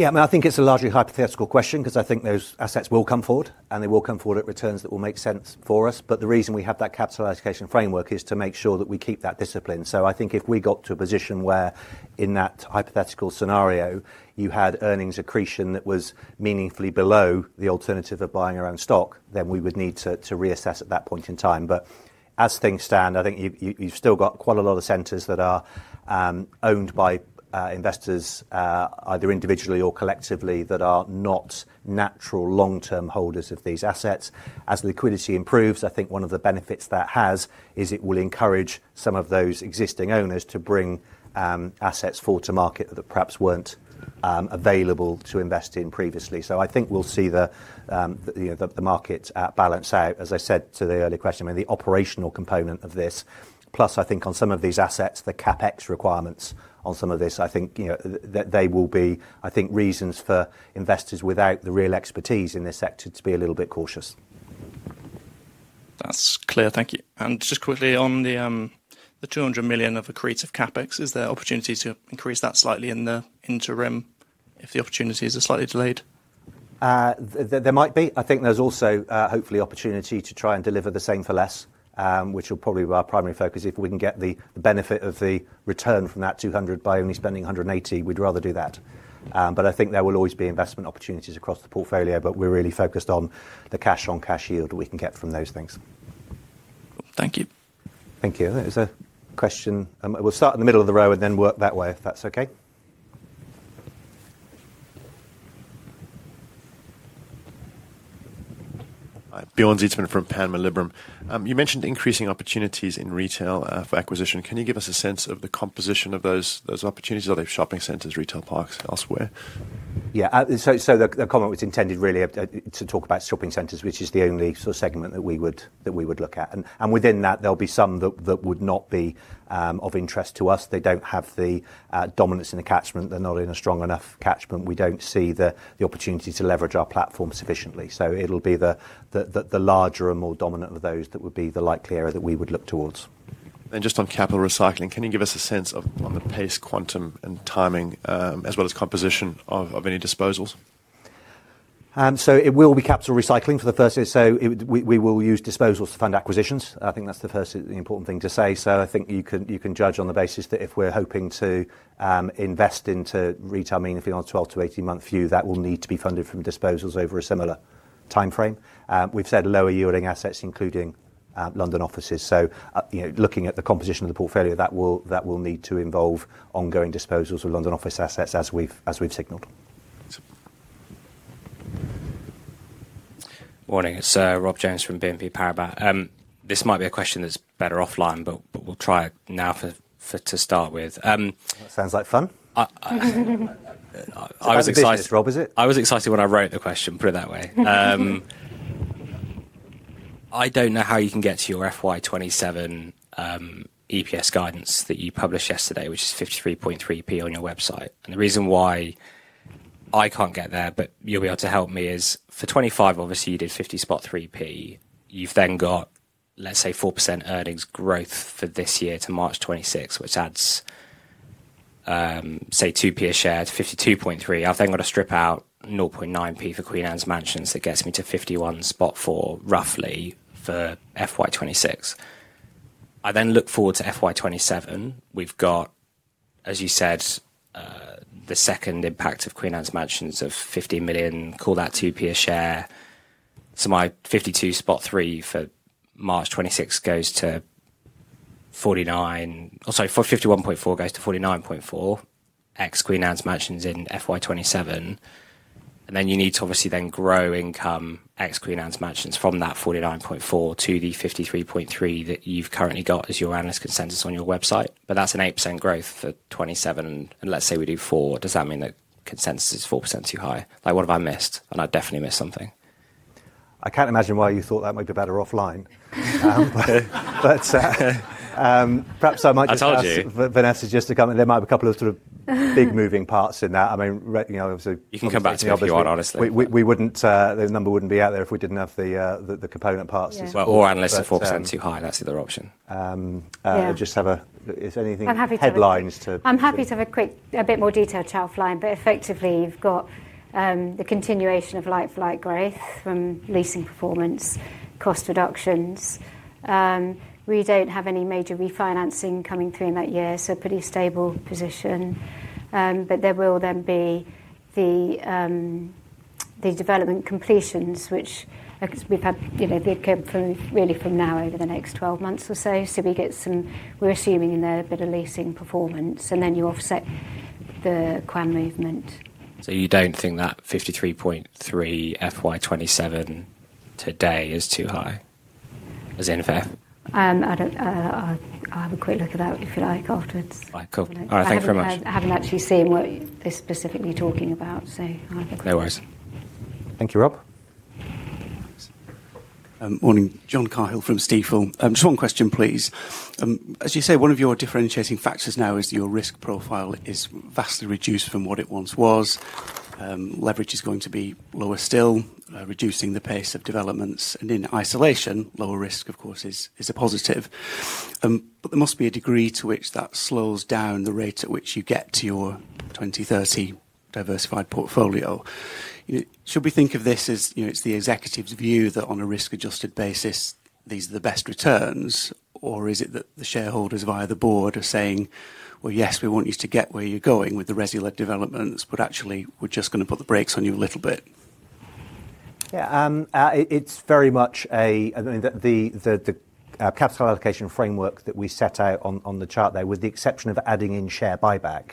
Yeah, I mean, I think it's a largely hypothetical question because I think those assets will come forward and they will come forward at returns that will make sense for us. The reason we have that capital allocation framework is to make sure that we keep that discipline. I think if we got to a position where in that hypothetical scenario, you had earnings accretion that was meaningfully below the alternative of buying our own stock, then we would need to reassess at that point in time. As things stand, I think you've still got quite a lot of centers that are owned by investors either individually or collectively that are not natural long-term holders of these assets. As liquidity improves, I think one of the benefits that has is it will encourage some of those existing owners to bring assets forward to market that perhaps were not available to invest in previously. I think we'll see the market balance out. As I said to the earlier question, I mean, the operational component of this, plus I think on some of these assets, the CapEx requirements on some of this, I think they will be, I think, reasons for investors without the real expertise in this sector to be a little bit cautious. That's clear. Thank you. Just quickly on the 200 million of accretive CapEx, is there opportunity to increase that slightly in the interim if the opportunity is slightly delayed? There might be. I think there's also hopefully opportunity to try and deliver the same for less, which will probably be our primary focus. If we can get the benefit of the return from that 200 million by only spending 180 million, we'd rather do that. I think there will always be investment opportunities across the portfolio, but we're really focused on the cash on cash yield we can get from those things. Thank you. Thank you. There's a question. We'll start in the middle of the row and then work that way if that's okay. Bjorn Zietzmann from KBW. You mentioned increasing opportunities in retail for acquisition. Can you give us a sense of the composition of those opportunities? Are they shopping centers, retail parks, elsewhere? Yeah. The comment was intended really to talk about shopping centers, which is the only sort of segment that we would look at. Within that, there will be some that would not be of interest to us. They do not have the dominance in the catchment. They are not in a strong enough catchment. We do not see the opportunity to leverage our platform sufficiently. It will be the larger and more dominant of those that would be the likely area that we would look towards. Just on capital recycling, can you give us a sense of the pace, quantum, and timing as well as composition of any disposals? It will be capital recycling for the first year. We will use disposals to fund acquisitions. I think that is the first important thing to say. I think you can judge on the basis that if we're hoping to invest into retail meaningfully on a 12- to 18-month view, that will need to be funded from disposals over a similar timeframe. We've said lower yielding assets, including London offices. Looking at the composition of the portfolio, that will need to involve ongoing disposals of London office assets as we've signaled. Morning. It's Rob Jones from BNP Paribas. This might be a question that's better offline, but we'll try now to start with. Sounds like fun. I was excited. Rob, is it? I was excited when I wrote the question. Put it that way. I don't know how you can get to your FY2027 EPS guidance that you published yesterday, which is 0.533 on your website. The reason why I can't get there, but you'll be able to help me, is for 2025, obviously you did 50.3p. You've then got, let's say, 4% earnings growth for this year to March 2026, which adds, say, 2p a share to 52.3. I've then got to strip out 0.9p for Queen Anne's Mansions. That gets me to 51.4 roughly for FY2026. I then look forward to FY2027. We've got, as you said, the second impact of Queen Anne's Mansions of 15 million, call that 2p a share. So my 52.3 for March 2026 goes to 49, or sorry, 51.4 goes to 49.4 ex Queen Anne's Mansions in FY2027. You need to obviously then grow income ex Queen Anne's Mansions from that 49.4 to the 53.3 that you've currently got as your analyst consensus on your website. That's an 8% growth for 2027. Let's say we do 4%. Does that mean that consensus is 4% too high? What have I missed? I've definitely missed something. I can't imagine why you thought that might be better offline. Perhaps I might just ask Vanessa to come. There might be a couple of big moving parts in that. Obviously, you can come back to me on Bjorn, honestly. We wouldn't, the number wouldn't be out there if we didn't have the component parts. Or analysts are 4% too high. That's the other option. If anything, just headlines. I'm happy to have a quick, a bit more detailed chart offline, but effectively you've got the continuation of like-for-like growth from leasing performance, cost reductions. We do not have any major refinancing coming through in that year, so pretty stable position. There will then be the development completions, which we have had, they come from really from now over the next 12 months or so. We get some, we are assuming in there a bit of leasing performance and then you offset the QAM movement. You do not think that 53.3 FY27 today is too high? Is that fair? I will have a quick look at that if you like afterwards. All right, cool. All right, thanks very much. I have not actually seen what they are specifically talking about, so I think. No worries. Thank you, Rob. Morning. John Carhill from Stifel. Just one question, please. As you say, one of your differentiating factors now is your risk profile is vastly reduced from what it once was. Leverage is going to be lower still, reducing the pace of developments. In isolation, lower risk, of course, is a positive. There must be a degree to which that slows down the rate at which you get to your 2030 diversified portfolio. Should we think of this as it's the executive's view that on a risk-adjusted basis, these are the best returns, or is it that the shareholders via the board are saying, yes, we want you to get where you're going with the resilient developments, but actually we're just going to put the brakes on you a little bit? Yeah, it's very much a, I mean, the capital allocation framework that we set out on the chart there, with the exception of adding in share buyback,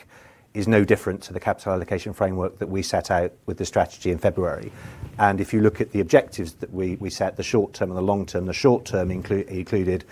is no different to the capital allocation framework that we set out with the strategy in February. If you look at the objectives that we set, the short term and the long term, the short term included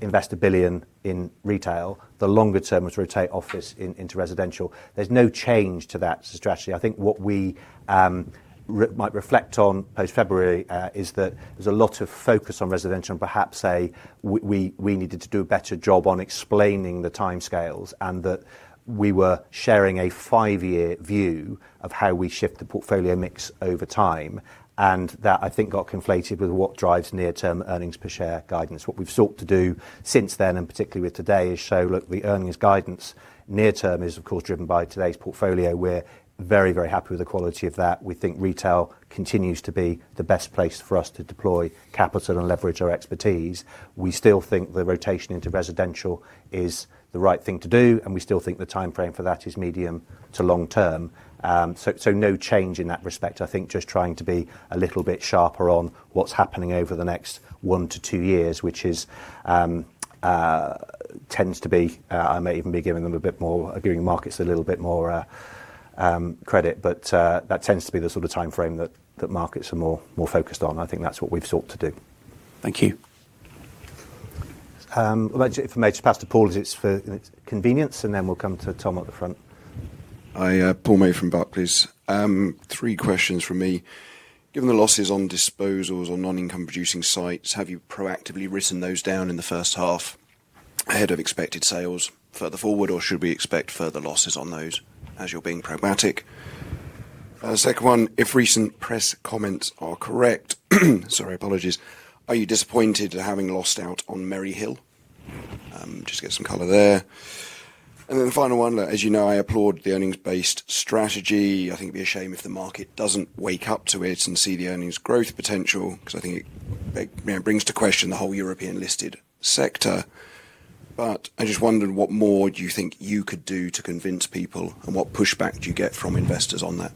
invest 1 billion in retail. The longer term was to rotate office into residential. There is no change to that strategy. I think what we might reflect on post-February is that there is a lot of focus on residential and perhaps say we needed to do a better job on explaining the timescales and that we were sharing a five-year view of how we shift the portfolio mix over time. I think that got conflated with what drives near-term earnings per share guidance. What we have sought to do since then, and particularly with today, is show, look, the earnings guidance near-term is, of course, driven by today's portfolio. We are very, very happy with the quality of that. We think retail continues to be the best place for us to deploy capital and leverage our expertise. We still think the rotation into residential is the right thing to do, and we still think the timeframe for that is medium to long term. No change in that respect. I think just trying to be a little bit sharper on what's happening over the next one to two years, which tends to be, I might even be giving them a bit more, giving markets a little bit more credit. That tends to be the sort of timeframe that markets are more focused on. I think that's what we've sought to do. Thank you. If I may just pass to Paul, it's for convenience, and then we'll come to Tom at the front. Paul May from Barclays. Three questions from me. Given the losses on disposals on non-income producing sites, have you proactively written those down in the first half ahead of expected sales further forward, or should we expect further losses on those as you're being pragmatic? Second one, if recent press comments are correct, sorry, apologies, are you disappointed at having lost out on Marylebone High Street? Just get some color there. And then final one, as you know, I applaud the earnings-based strategy. I think it'd be a shame if the market doesn't wake up to it and see the earnings growth potential because I think it brings to question the whole European listed sector. I just wondered what more do you think you could do to convince people, and what pushback do you get from investors on that?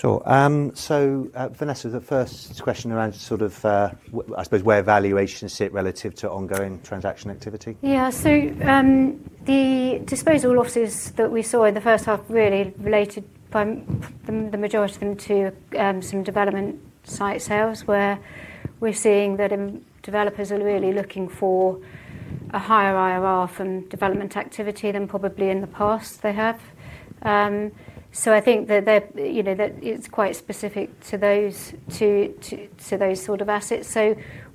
Sure. So Vanessa, the first question around sort of, I suppose, where valuations sit relative to ongoing transaction activity? Yeah, the disposal losses that we saw in the first half really related, the majority of them, to some development site sales where we're seeing that developers are really looking for a higher IRR from development activity than probably in the past they have. I think that it's quite specific to those sort of assets.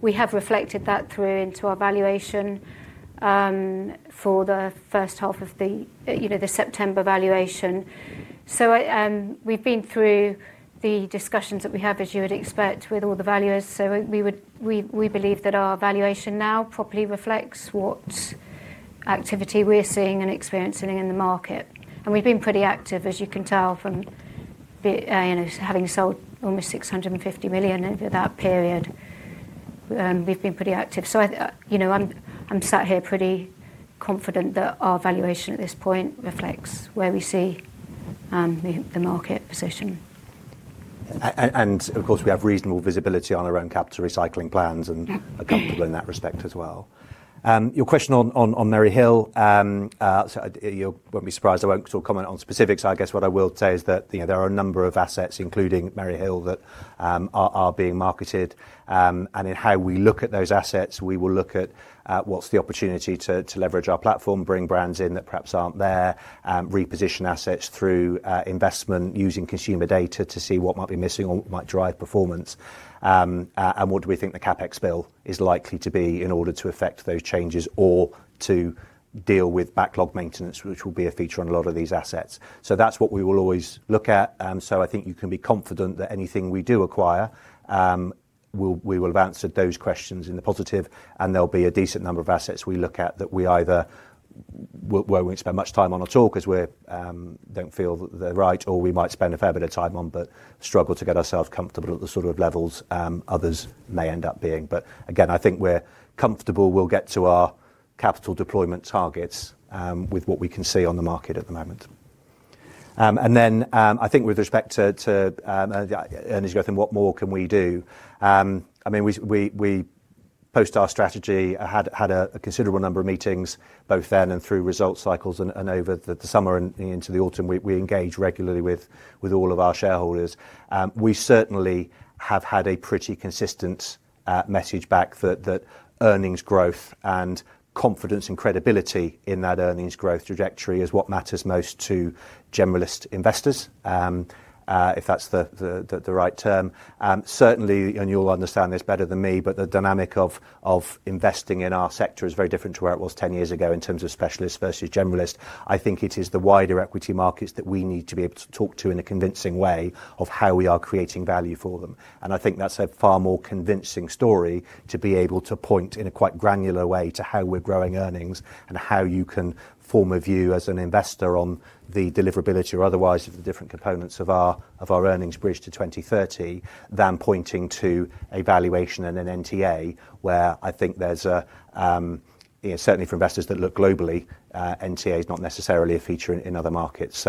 We have reflected that through into our valuation for the first half of the September valuation. We've been through the discussions that we have, as you would expect, with all the valuers. We believe that our valuation now properly reflects what activity we're seeing and experiencing in the market. We've been pretty active, as you can tell from having sold almost 650 million over that period. We've been pretty active. I'm sat here pretty confident that our valuation at this point reflects where we see the market position. Of course, we have reasonable visibility on our own capital recycling plans and are comfortable in that respect as well. Your question on Marylebone High Street, you will not be surprised, I will not sort of comment on specifics. I guess what I will say is that there are a number of assets, including Marylebone High Street, that are being marketed. In how we look at those assets, we will look at what is the opportunity to leverage our platform, bring brands in that perhaps are not there, reposition assets through investment using consumer data to see what might be missing or what might drive performance. What do we think the CapEx bill is likely to be in order to effect those changes or to deal with backlog maintenance, which will be a feature on a lot of these assets. That is what we will always look at. I think you can be confident that anything we do acquire, we will have answered those questions in the positive. There will be a decent number of assets we look at that we either will not spend much time on at all because we do not feel they are right, or we might spend a fair bit of time on but struggle to get ourselves comfortable at the sort of levels others may end up being. Again, I think we are comfortable. We will get to our capital deployment targets with what we can see on the market at the moment. I think with respect to earnings growth and what more can we do, I mean, we post our strategy, had a considerable number of meetings both then and through results cycles and over the summer and into the autumn. We engage regularly with all of our shareholders. We certainly have had a pretty consistent message back that earnings growth and confidence and credibility in that earnings growth trajectory is what matters most to generalist investors, if that is the right term. Certainly, and you will understand this better than me, but the dynamic of investing in our sector is very different to where it was 10 years ago in terms of specialists versus generalists. I think it is the wider equity markets that we need to be able to talk to in a convincing way of how we are creating value for them. I think that's a far more convincing story to be able to point in a quite granular way to how we're growing earnings and how you can form a view as an investor on the deliverability or otherwise of the different components of our earnings bridge to 2030 than pointing to a valuation and an NTA where I think there's a certainly for investors that look globally, NTA is not necessarily a feature in other markets.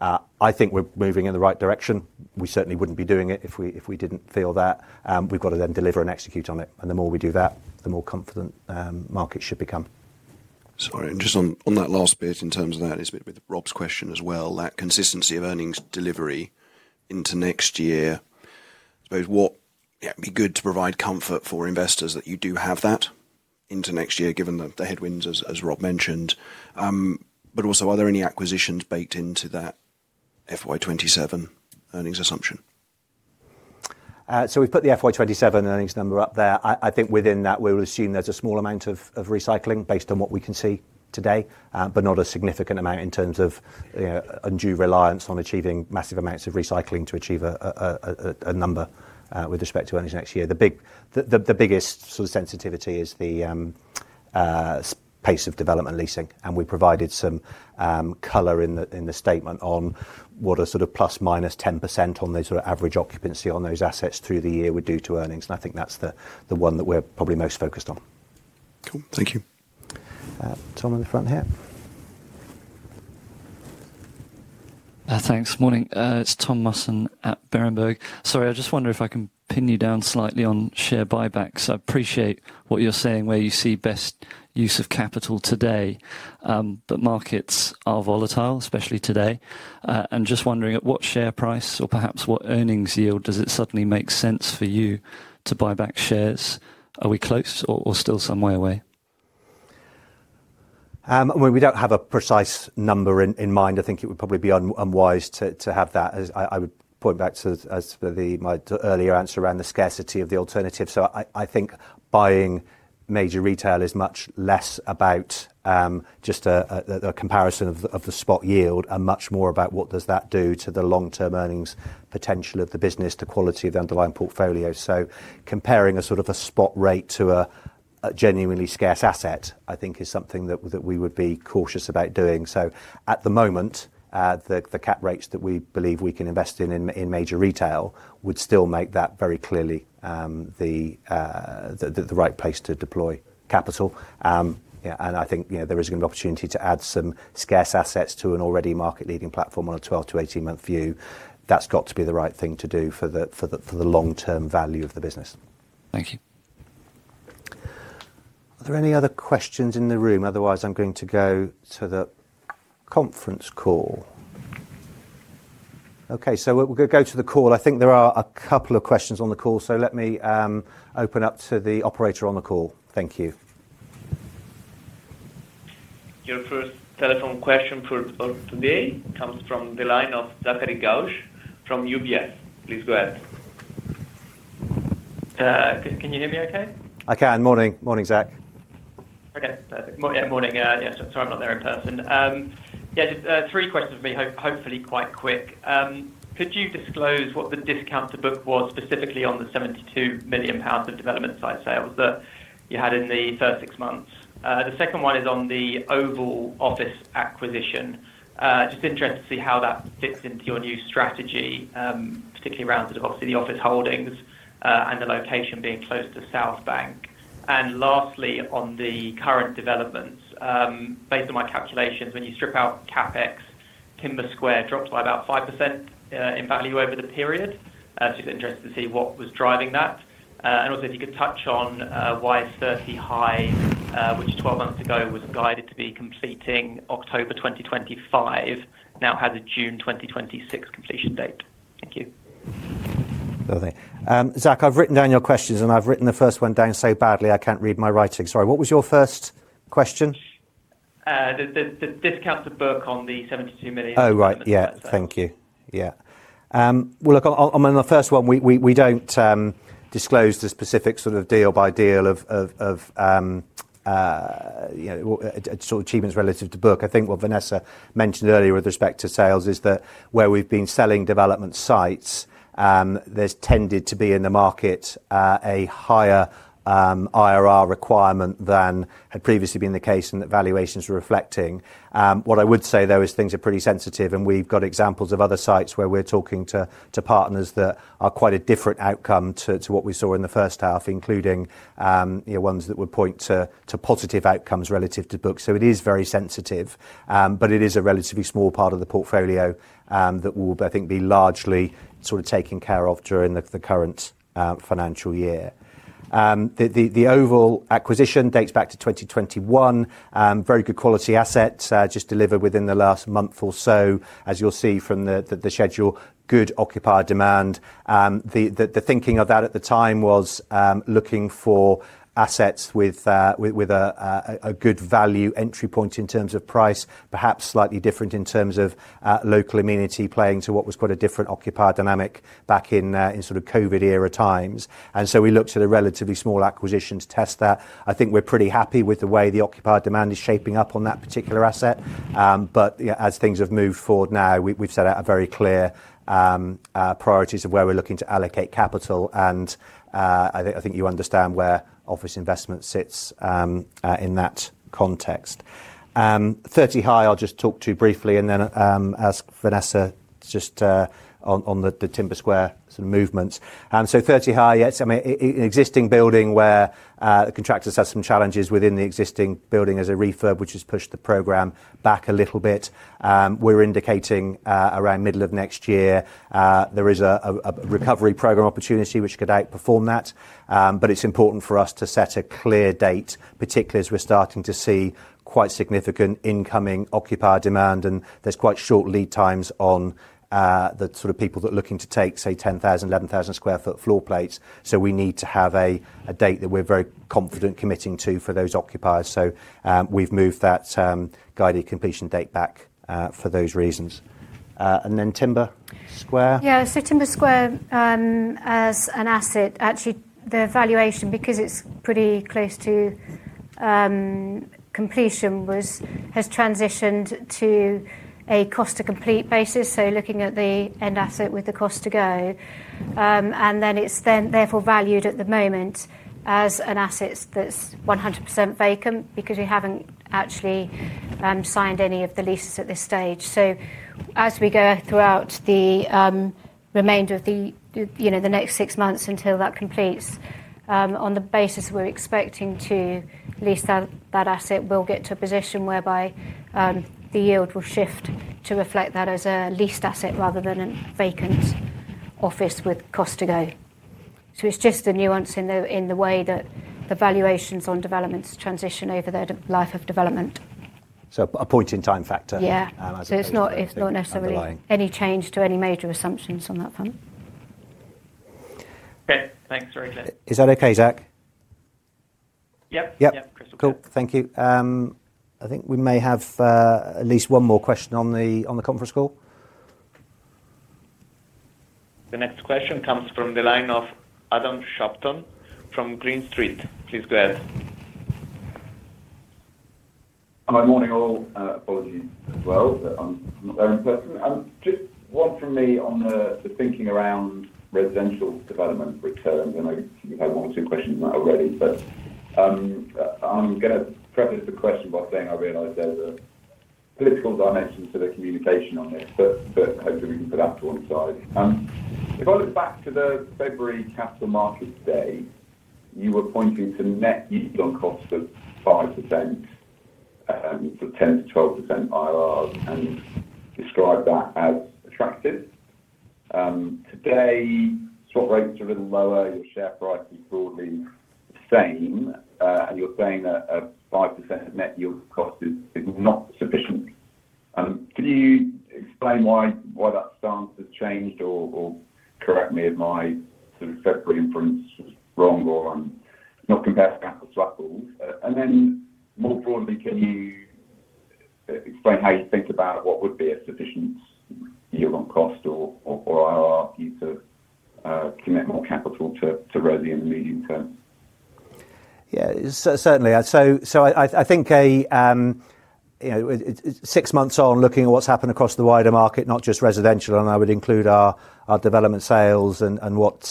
I think we're moving in the right direction. We certainly wouldn't be doing it if we didn't feel that. We've got to then deliver and execute on it. The more we do that, the more confident markets should become. Sorry, just on that last bit in terms of that, it's a bit with Rob's question as well, that consistency of earnings delivery into next year. I suppose what would be good to provide comfort for investors that you do have that into next year, given the headwinds, as Rob mentioned. Also, are there any acquisitions baked into that FY27 earnings assumption? We have put the FY27 earnings number up there. I think within that, we will assume there is a small amount of recycling based on what we can see today, but not a significant amount in terms of undue reliance on achieving massive amounts of recycling to achieve a number with respect to earnings next year. The biggest sort of sensitivity is the pace of development leasing. We provided some color in the statement on what a plus minus 10% on the average occupancy on those assets through the year would do to earnings. I think that is the one that we are probably most focused on. Cool. Thank you. Tom on the front here. Thanks. Morning. It's Tom Musson at Berenberg. Sorry, I just wonder if I can pin you down slightly on share buybacks. I appreciate what you're saying, where you see best use of capital today. Markets are volatile, especially today. Just wondering, at what share price or perhaps what earnings yield does it suddenly make sense for you to buy back shares? Are we close or still some way away? I mean, we don't have a precise number in mind. I think it would probably be unwise to have that. I would point back to my earlier answer around the scarcity of the alternative. I think buying major retail is much less about just a comparison of the spot yield and much more about what does that do to the long-term earnings potential of the business, the quality of the underlying portfolio. Comparing a sort of a spot rate to a genuinely scarce asset, I think, is something that we would be cautious about doing. At the moment, the cap rates that we believe we can invest in in major retail would still make that very clearly the right place to deploy capital. I think there is an opportunity to add some scarce assets to an already market-leading platform on a 12-18 month view. That has got to be the right thing to do for the long-term value of the business. Thank you. Are there any other questions in the room? Otherwise, I am going to go to the conference call. Okay, we will go to the call. I think there are a couple of questions on the call, so let me open up to the operator on the call. Thank you. Your first telephone question for today comes from the line of Zachary Gauge from UBS. Please go ahead. Can you hear me okay? I can. Morning. Morning, Zach. Okay. Perfect. Yeah, morning. Yeah, sorry, I'm not there in person. Yeah, just three questions for me, hopefully quite quick. Could you disclose what the discount to book was specifically on the 72 million pounds of development site sales that you had in the first six months? The second one is on the Oval office acquisition. Just interested to see how that fits into your new strategy, particularly around, obviously, the office holdings and the location being close to South Bank. And lastly, on the current developments, based on my calculations, when you strip out CapEx, PIMCO Square dropped by about 5% in value over the period. Just interested to see what was driving that. Also, if you could touch on why 30 High, which 12 months ago was guided to be completing October 2025, now has a June 2026 completion date. Thank you. Zach, I have written down your questions, and I have written the first one down so badly I cannot read my writing. Sorry. What was your first question? The discount to book on the 72 million. Oh, right. Thank you. On the first one, we do not disclose the specific sort of deal by deal of achievements relative to book. I think what Vanessa mentioned earlier with respect to sales is that where we have been selling development sites, there has tended to be in the market a higher IRR requirement than had previously been the case and that valuations were reflecting. What I would say, though, is things are pretty sensitive, and we've got examples of other sites where we're talking to partners that are quite a different outcome to what we saw in the first half, including ones that would point to positive outcomes relative to book. It is very sensitive, but it is a relatively small part of the portfolio that will, I think, be largely sort of taken care of during the current financial year. The Oval acquisition dates back to 2021. Very good quality assets just delivered within the last month or so, as you'll see from the schedule. Good occupier demand. The thinking of that at the time was looking for assets with a good value entry point in terms of price, perhaps slightly different in terms of local amenity playing to what was quite a different occupier dynamic back in sort of COVID era times. We looked at a relatively small acquisition to test that. I think we're pretty happy with the way the occupier demand is shaping up on that particular asset. As things have moved forward now, we've set out very clear priorities of where we're looking to allocate capital. I think you understand where office investment sits in that context. 30 High, I'll just talk to briefly and then ask Vanessa just on the PIMBA Square sort of movements. Thirty High, yes, I mean, existing building where the contractors have some challenges within the existing building as a refurb, which has pushed the program back a little bit. We are indicating around middle of next year, there is a recovery program opportunity which could outperform that. It is important for us to set a clear date, particularly as we are starting to see quite significant incoming occupier demand, and there are quite short lead times on the sort of people that are looking to take, say, 10,000-11,000 sq ft floor plates. We need to have a date that we are very confident committing to for those occupiers. We have moved that guided completion date back for those reasons. Timber Square, yes, so Timber Square as an asset, actually, the valuation, because it is pretty close to completion, has transitioned to a cost-to-complete basis. Looking at the end asset with the cost to go. Then it is therefore valued at the moment as an asset that is 100% vacant because we have not actually signed any of the leases at this stage. As we go throughout the remainder of the next six months until that completes, on the basis we are expecting to lease that asset, we will get to a position whereby the yield will shift to reflect that as a leased asset rather than a vacant office with cost to go. It is just the nuance in the way that the valuations on developments transition over the life of development. A point-in-time factor. Yeah. It is not necessarily any change to any major assumptions on that front. Okay. Thanks. Very clear. Is that okay, Zach? Yep. Yep. Cool. Thank you. I think we may have at least one more question on the conference call. The next question comes from the line of Adam Shopton from Green Street. Please go ahead. Hi, morning all. Apologies as well. I'm not there in person. Just one from me on the thinking around residential development returns. I know you've had one or two questions already, but I'm going to preface the question by saying I realize there's a political dimension to the communication on this, but hopefully we can put that to one side. If I look back to the February capital markets day, you were pointing to net yield on cost of 5%, so 10-12% IRRs, and described that as attractive. Today, swap rates are a little lower, your share price is broadly the same, and you're saying a 5% net yield cost is not sufficient. Can you explain why that stance has changed or correct me if my sort of February inference was wrong or not compared to capital cycles? More broadly, can you explain how you think about what would be a sufficient yield on cost or IRR for you to commit more capital to res in the medium term? Yeah, certainly. I think six months on, looking at what's happened across the wider market, not just residential, and I would include our development sales and what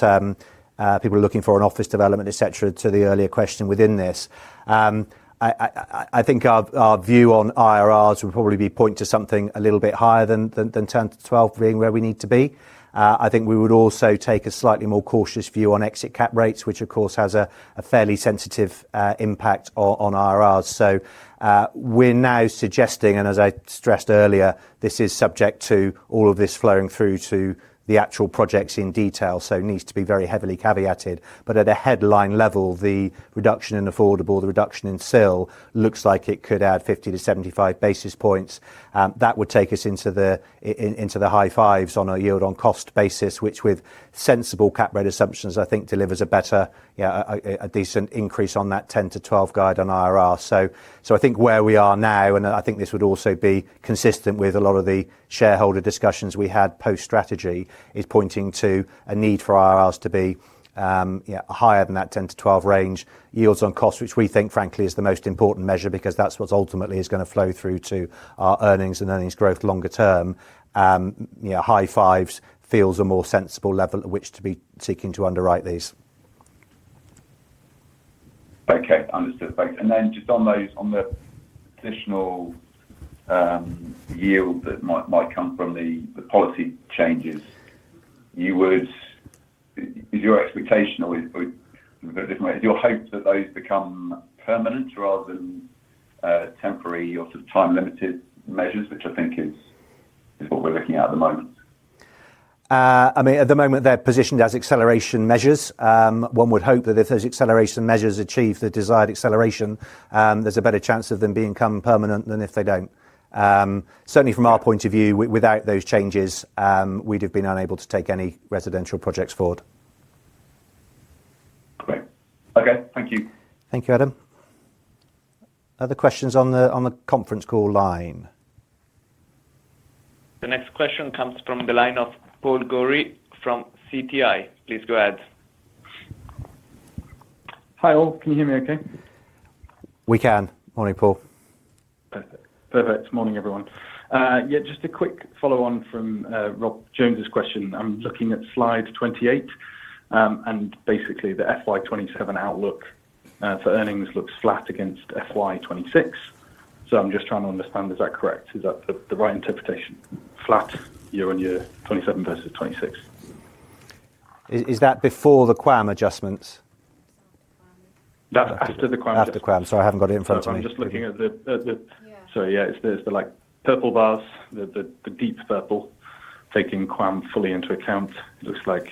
people are looking for in office development, etc., to the earlier question within this. I think our view on IRRs would probably be point to something a little bit higher than 10-12% being where we need to be. I think we would also take a slightly more cautious view on exit cap rates, which, of course, has a fairly sensitive impact on IRRs. We are now suggesting, and as I stressed earlier, this is subject to all of this flowing through to the actual projects in detail, so it needs to be very heavily caveated. At a headline level, the reduction in affordable, the reduction in SIL, looks like it could add 50-75 basis points. That would take us into the high fives on a yield on cost basis, which, with sensible cap rate assumptions, I think delivers a better, a decent increase on that 10-12 guide on IRR. I think where we are now, and I think this would also be consistent with a lot of the shareholder discussions we had post-strategy, is pointing to a need for IRRs to be higher than that 10-12% range. Yields on cost, which we think, frankly, is the most important measure because that's what ultimately is going to flow through to our earnings and earnings growth longer term. High fives feels a more sensible level at which to be seeking to underwrite these. Okay. Understood. Thanks. And then just on the additional yield that might come from the policy changes, is your expectation or is your hope that those become permanent rather than temporary or sort of time-limited measures, which I think is what we're looking at at the moment? I mean, at the moment, they're positioned as acceleration measures. One would hope that if those acceleration measures achieve the desired acceleration, there's a better chance of them being permanent than if they don't. Certainly, from our point of view, without those changes, we'd have been unable to take any residential projects forward. Okay. Thank you. Thank you, Adam. Other questions on the conference call line? The next question comes from the line of Paul Goury from Citi. Please go ahead. Hi, all. Can you hear me okay? We can. Morning, Paul. Perfect. Morning, everyone. Yeah, just a quick follow-on from Rob Jones's question. I'm looking at slide 28, and basically, the FY27 outlook for earnings looks flat against FY26. So I'm just trying to understand, is that correct? Is that the right interpretation? Flat year on year, 27 versus 26. Is that before the QAM adjustments? That's after the QAM. After the QAM. Sorry, I haven't got it in front of me. I'm just looking at the—sorry, yeah, it's the purple bars, the deep purple, taking QAM fully into account. It looks like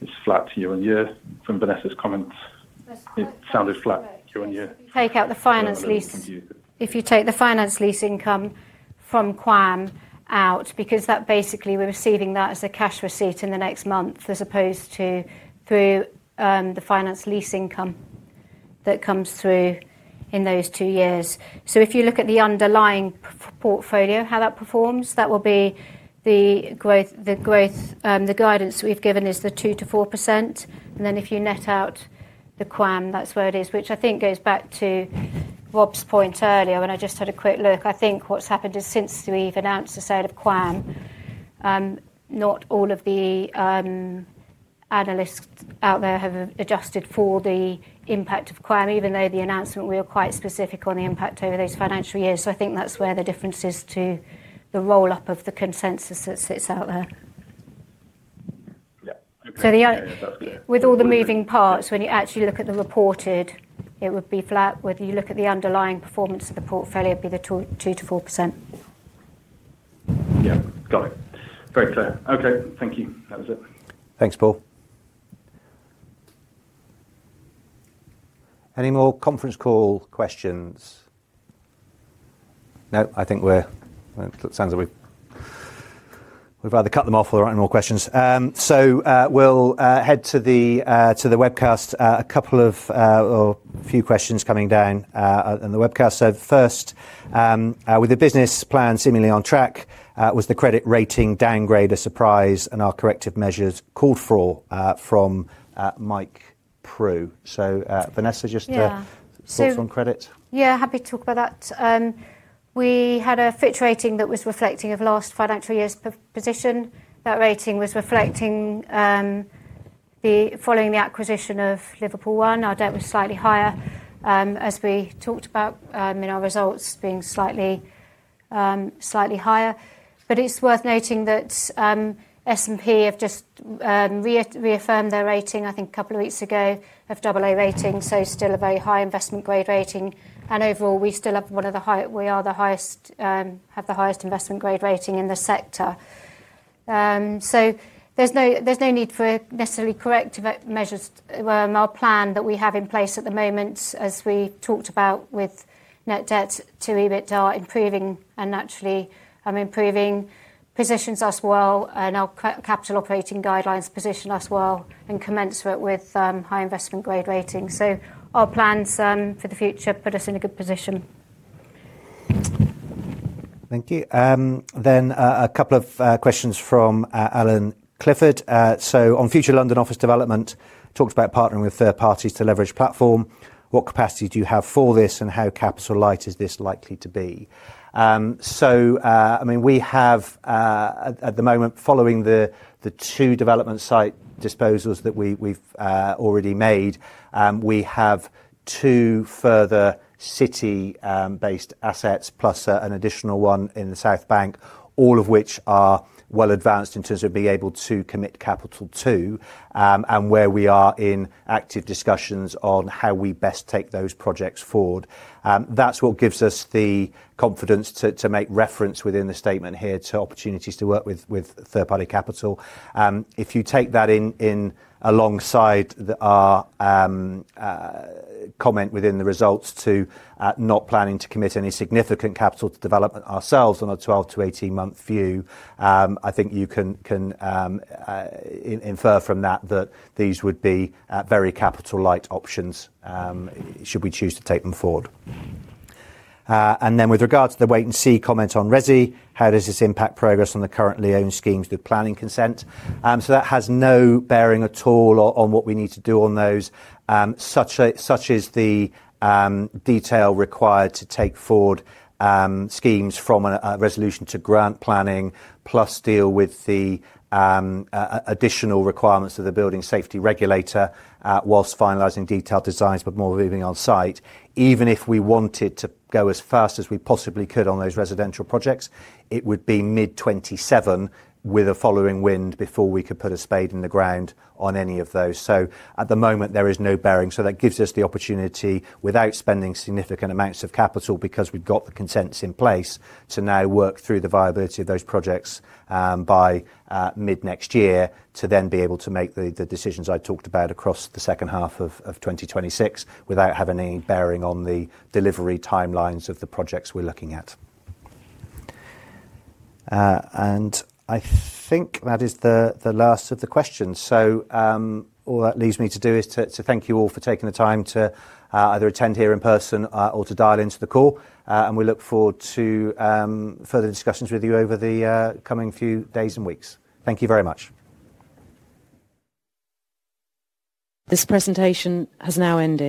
it's flat year on year. From Vanessa's comments, it sounded flat year on year. Take out the finance lease. If you take the finance lease income from QAM out, because that basically we're receiving that as a cash receipt in the next month as opposed to through the finance lease income that comes through in those two years. If you look at the underlying portfolio, how that performs, that will be the growth. The guidance we've given is the 2-4%. If you net out the QAM, that's where it is, which I think goes back to Rob's point earlier, when I just had a quick look. I think what's happened is since we've announced the sale of QAM, not all of the analysts out there have adjusted for the impact of QAM, even though the announcement, we were quite specific on the impact over those financial years. I think that's where the difference is to the roll-up of the consensus that sits out there. Yeah. Okay. That's good. With all the moving parts, when you actually look at the reported, it would be flat. Whether you look at the underlying performance of the portfolio, it'd be the 2-4%. Yeah. Got it. Very clear. Okay. Thank you. That was it. Thanks, Paul. Any more conference call questions? No, I think we're—it sounds like we've either cut them off or there aren't any more questions. We'll head to the webcast. A couple of or a few questions coming down on the webcast. First, with the business plan seemingly on track, was the credit rating downgrade a surprise and are corrective measures called for from Mike Prue? Vanessa, just thoughts on credit? Yeah, happy to talk about that. We had a Fitch rating that was reflective of last financial year's position. That rating was reflecting the following the acquisition of Liverpool One. Our debt was slightly higher, as we talked about in our results being slightly higher. It is worth noting that S&P have just reaffirmed their rating, I think a couple of weeks ago, of AA rating, so still a very high investment-grade rating. Overall, we still have one of the highest—we are the highest—have the highest investment-grade rating in the sector. There is no need for necessarily corrective measures. Our plan that we have in place at the moment, as we talked about with net debt to EBITDA, improving and naturally improving positions us well and our capital operating guidelines position us well and commensurate with high investment-grade rating. Our plans for the future put us in a good position. Thank you. A couple of questions from Alan Clifford. On future London office development, talked about partnering with third parties to leverage platform. What capacity do you have for this and how capital light is this likely to be? I mean, we have at the moment, following the two development site disposals that we have already made, we have two further city-based assets plus an additional one in the South Bank, all of which are well advanced in terms of being able to commit capital to, and where we are in active discussions on how we best take those projects forward. That is what gives us the confidence to make reference within the statement here to opportunities to work with third-party capital. If you take that in alongside our comment within the results to not planning to commit any significant capital to develop ourselves on a 12- to 18-month view, I think you can infer from that that these would be very capital-light options should we choose to take them forward. With regards to the wait-and-see comment on resi, how does this impact progress on the currently owned schemes with planning consent? That has no bearing at all on what we need to do on those, such as the detail required to take forward schemes from a resolution to grant planning, plus deal with the additional requirements of the building safety regulator whilst finalizing detailed designs, but more moving on site. Even if we wanted to go as fast as we possibly could on those residential projects, it would be mid-2027 with a following wind before we could put a spade in the ground on any of those. At the moment, there is no bearing. That gives us the opportunity, without spending significant amounts of capital because we have the consents in place, to now work through the viability of those projects by mid-next year to then be able to make the decisions I talked about across the second half of 2026 without having any bearing on the delivery timelines of the projects we are looking at. I think that is the last of the questions. All that leaves me to do is to thank you all for taking the time to either attend here in person or to dial into the call. We look forward to further discussions with you over the coming few days and weeks. Thank you very much. This presentation has now ended.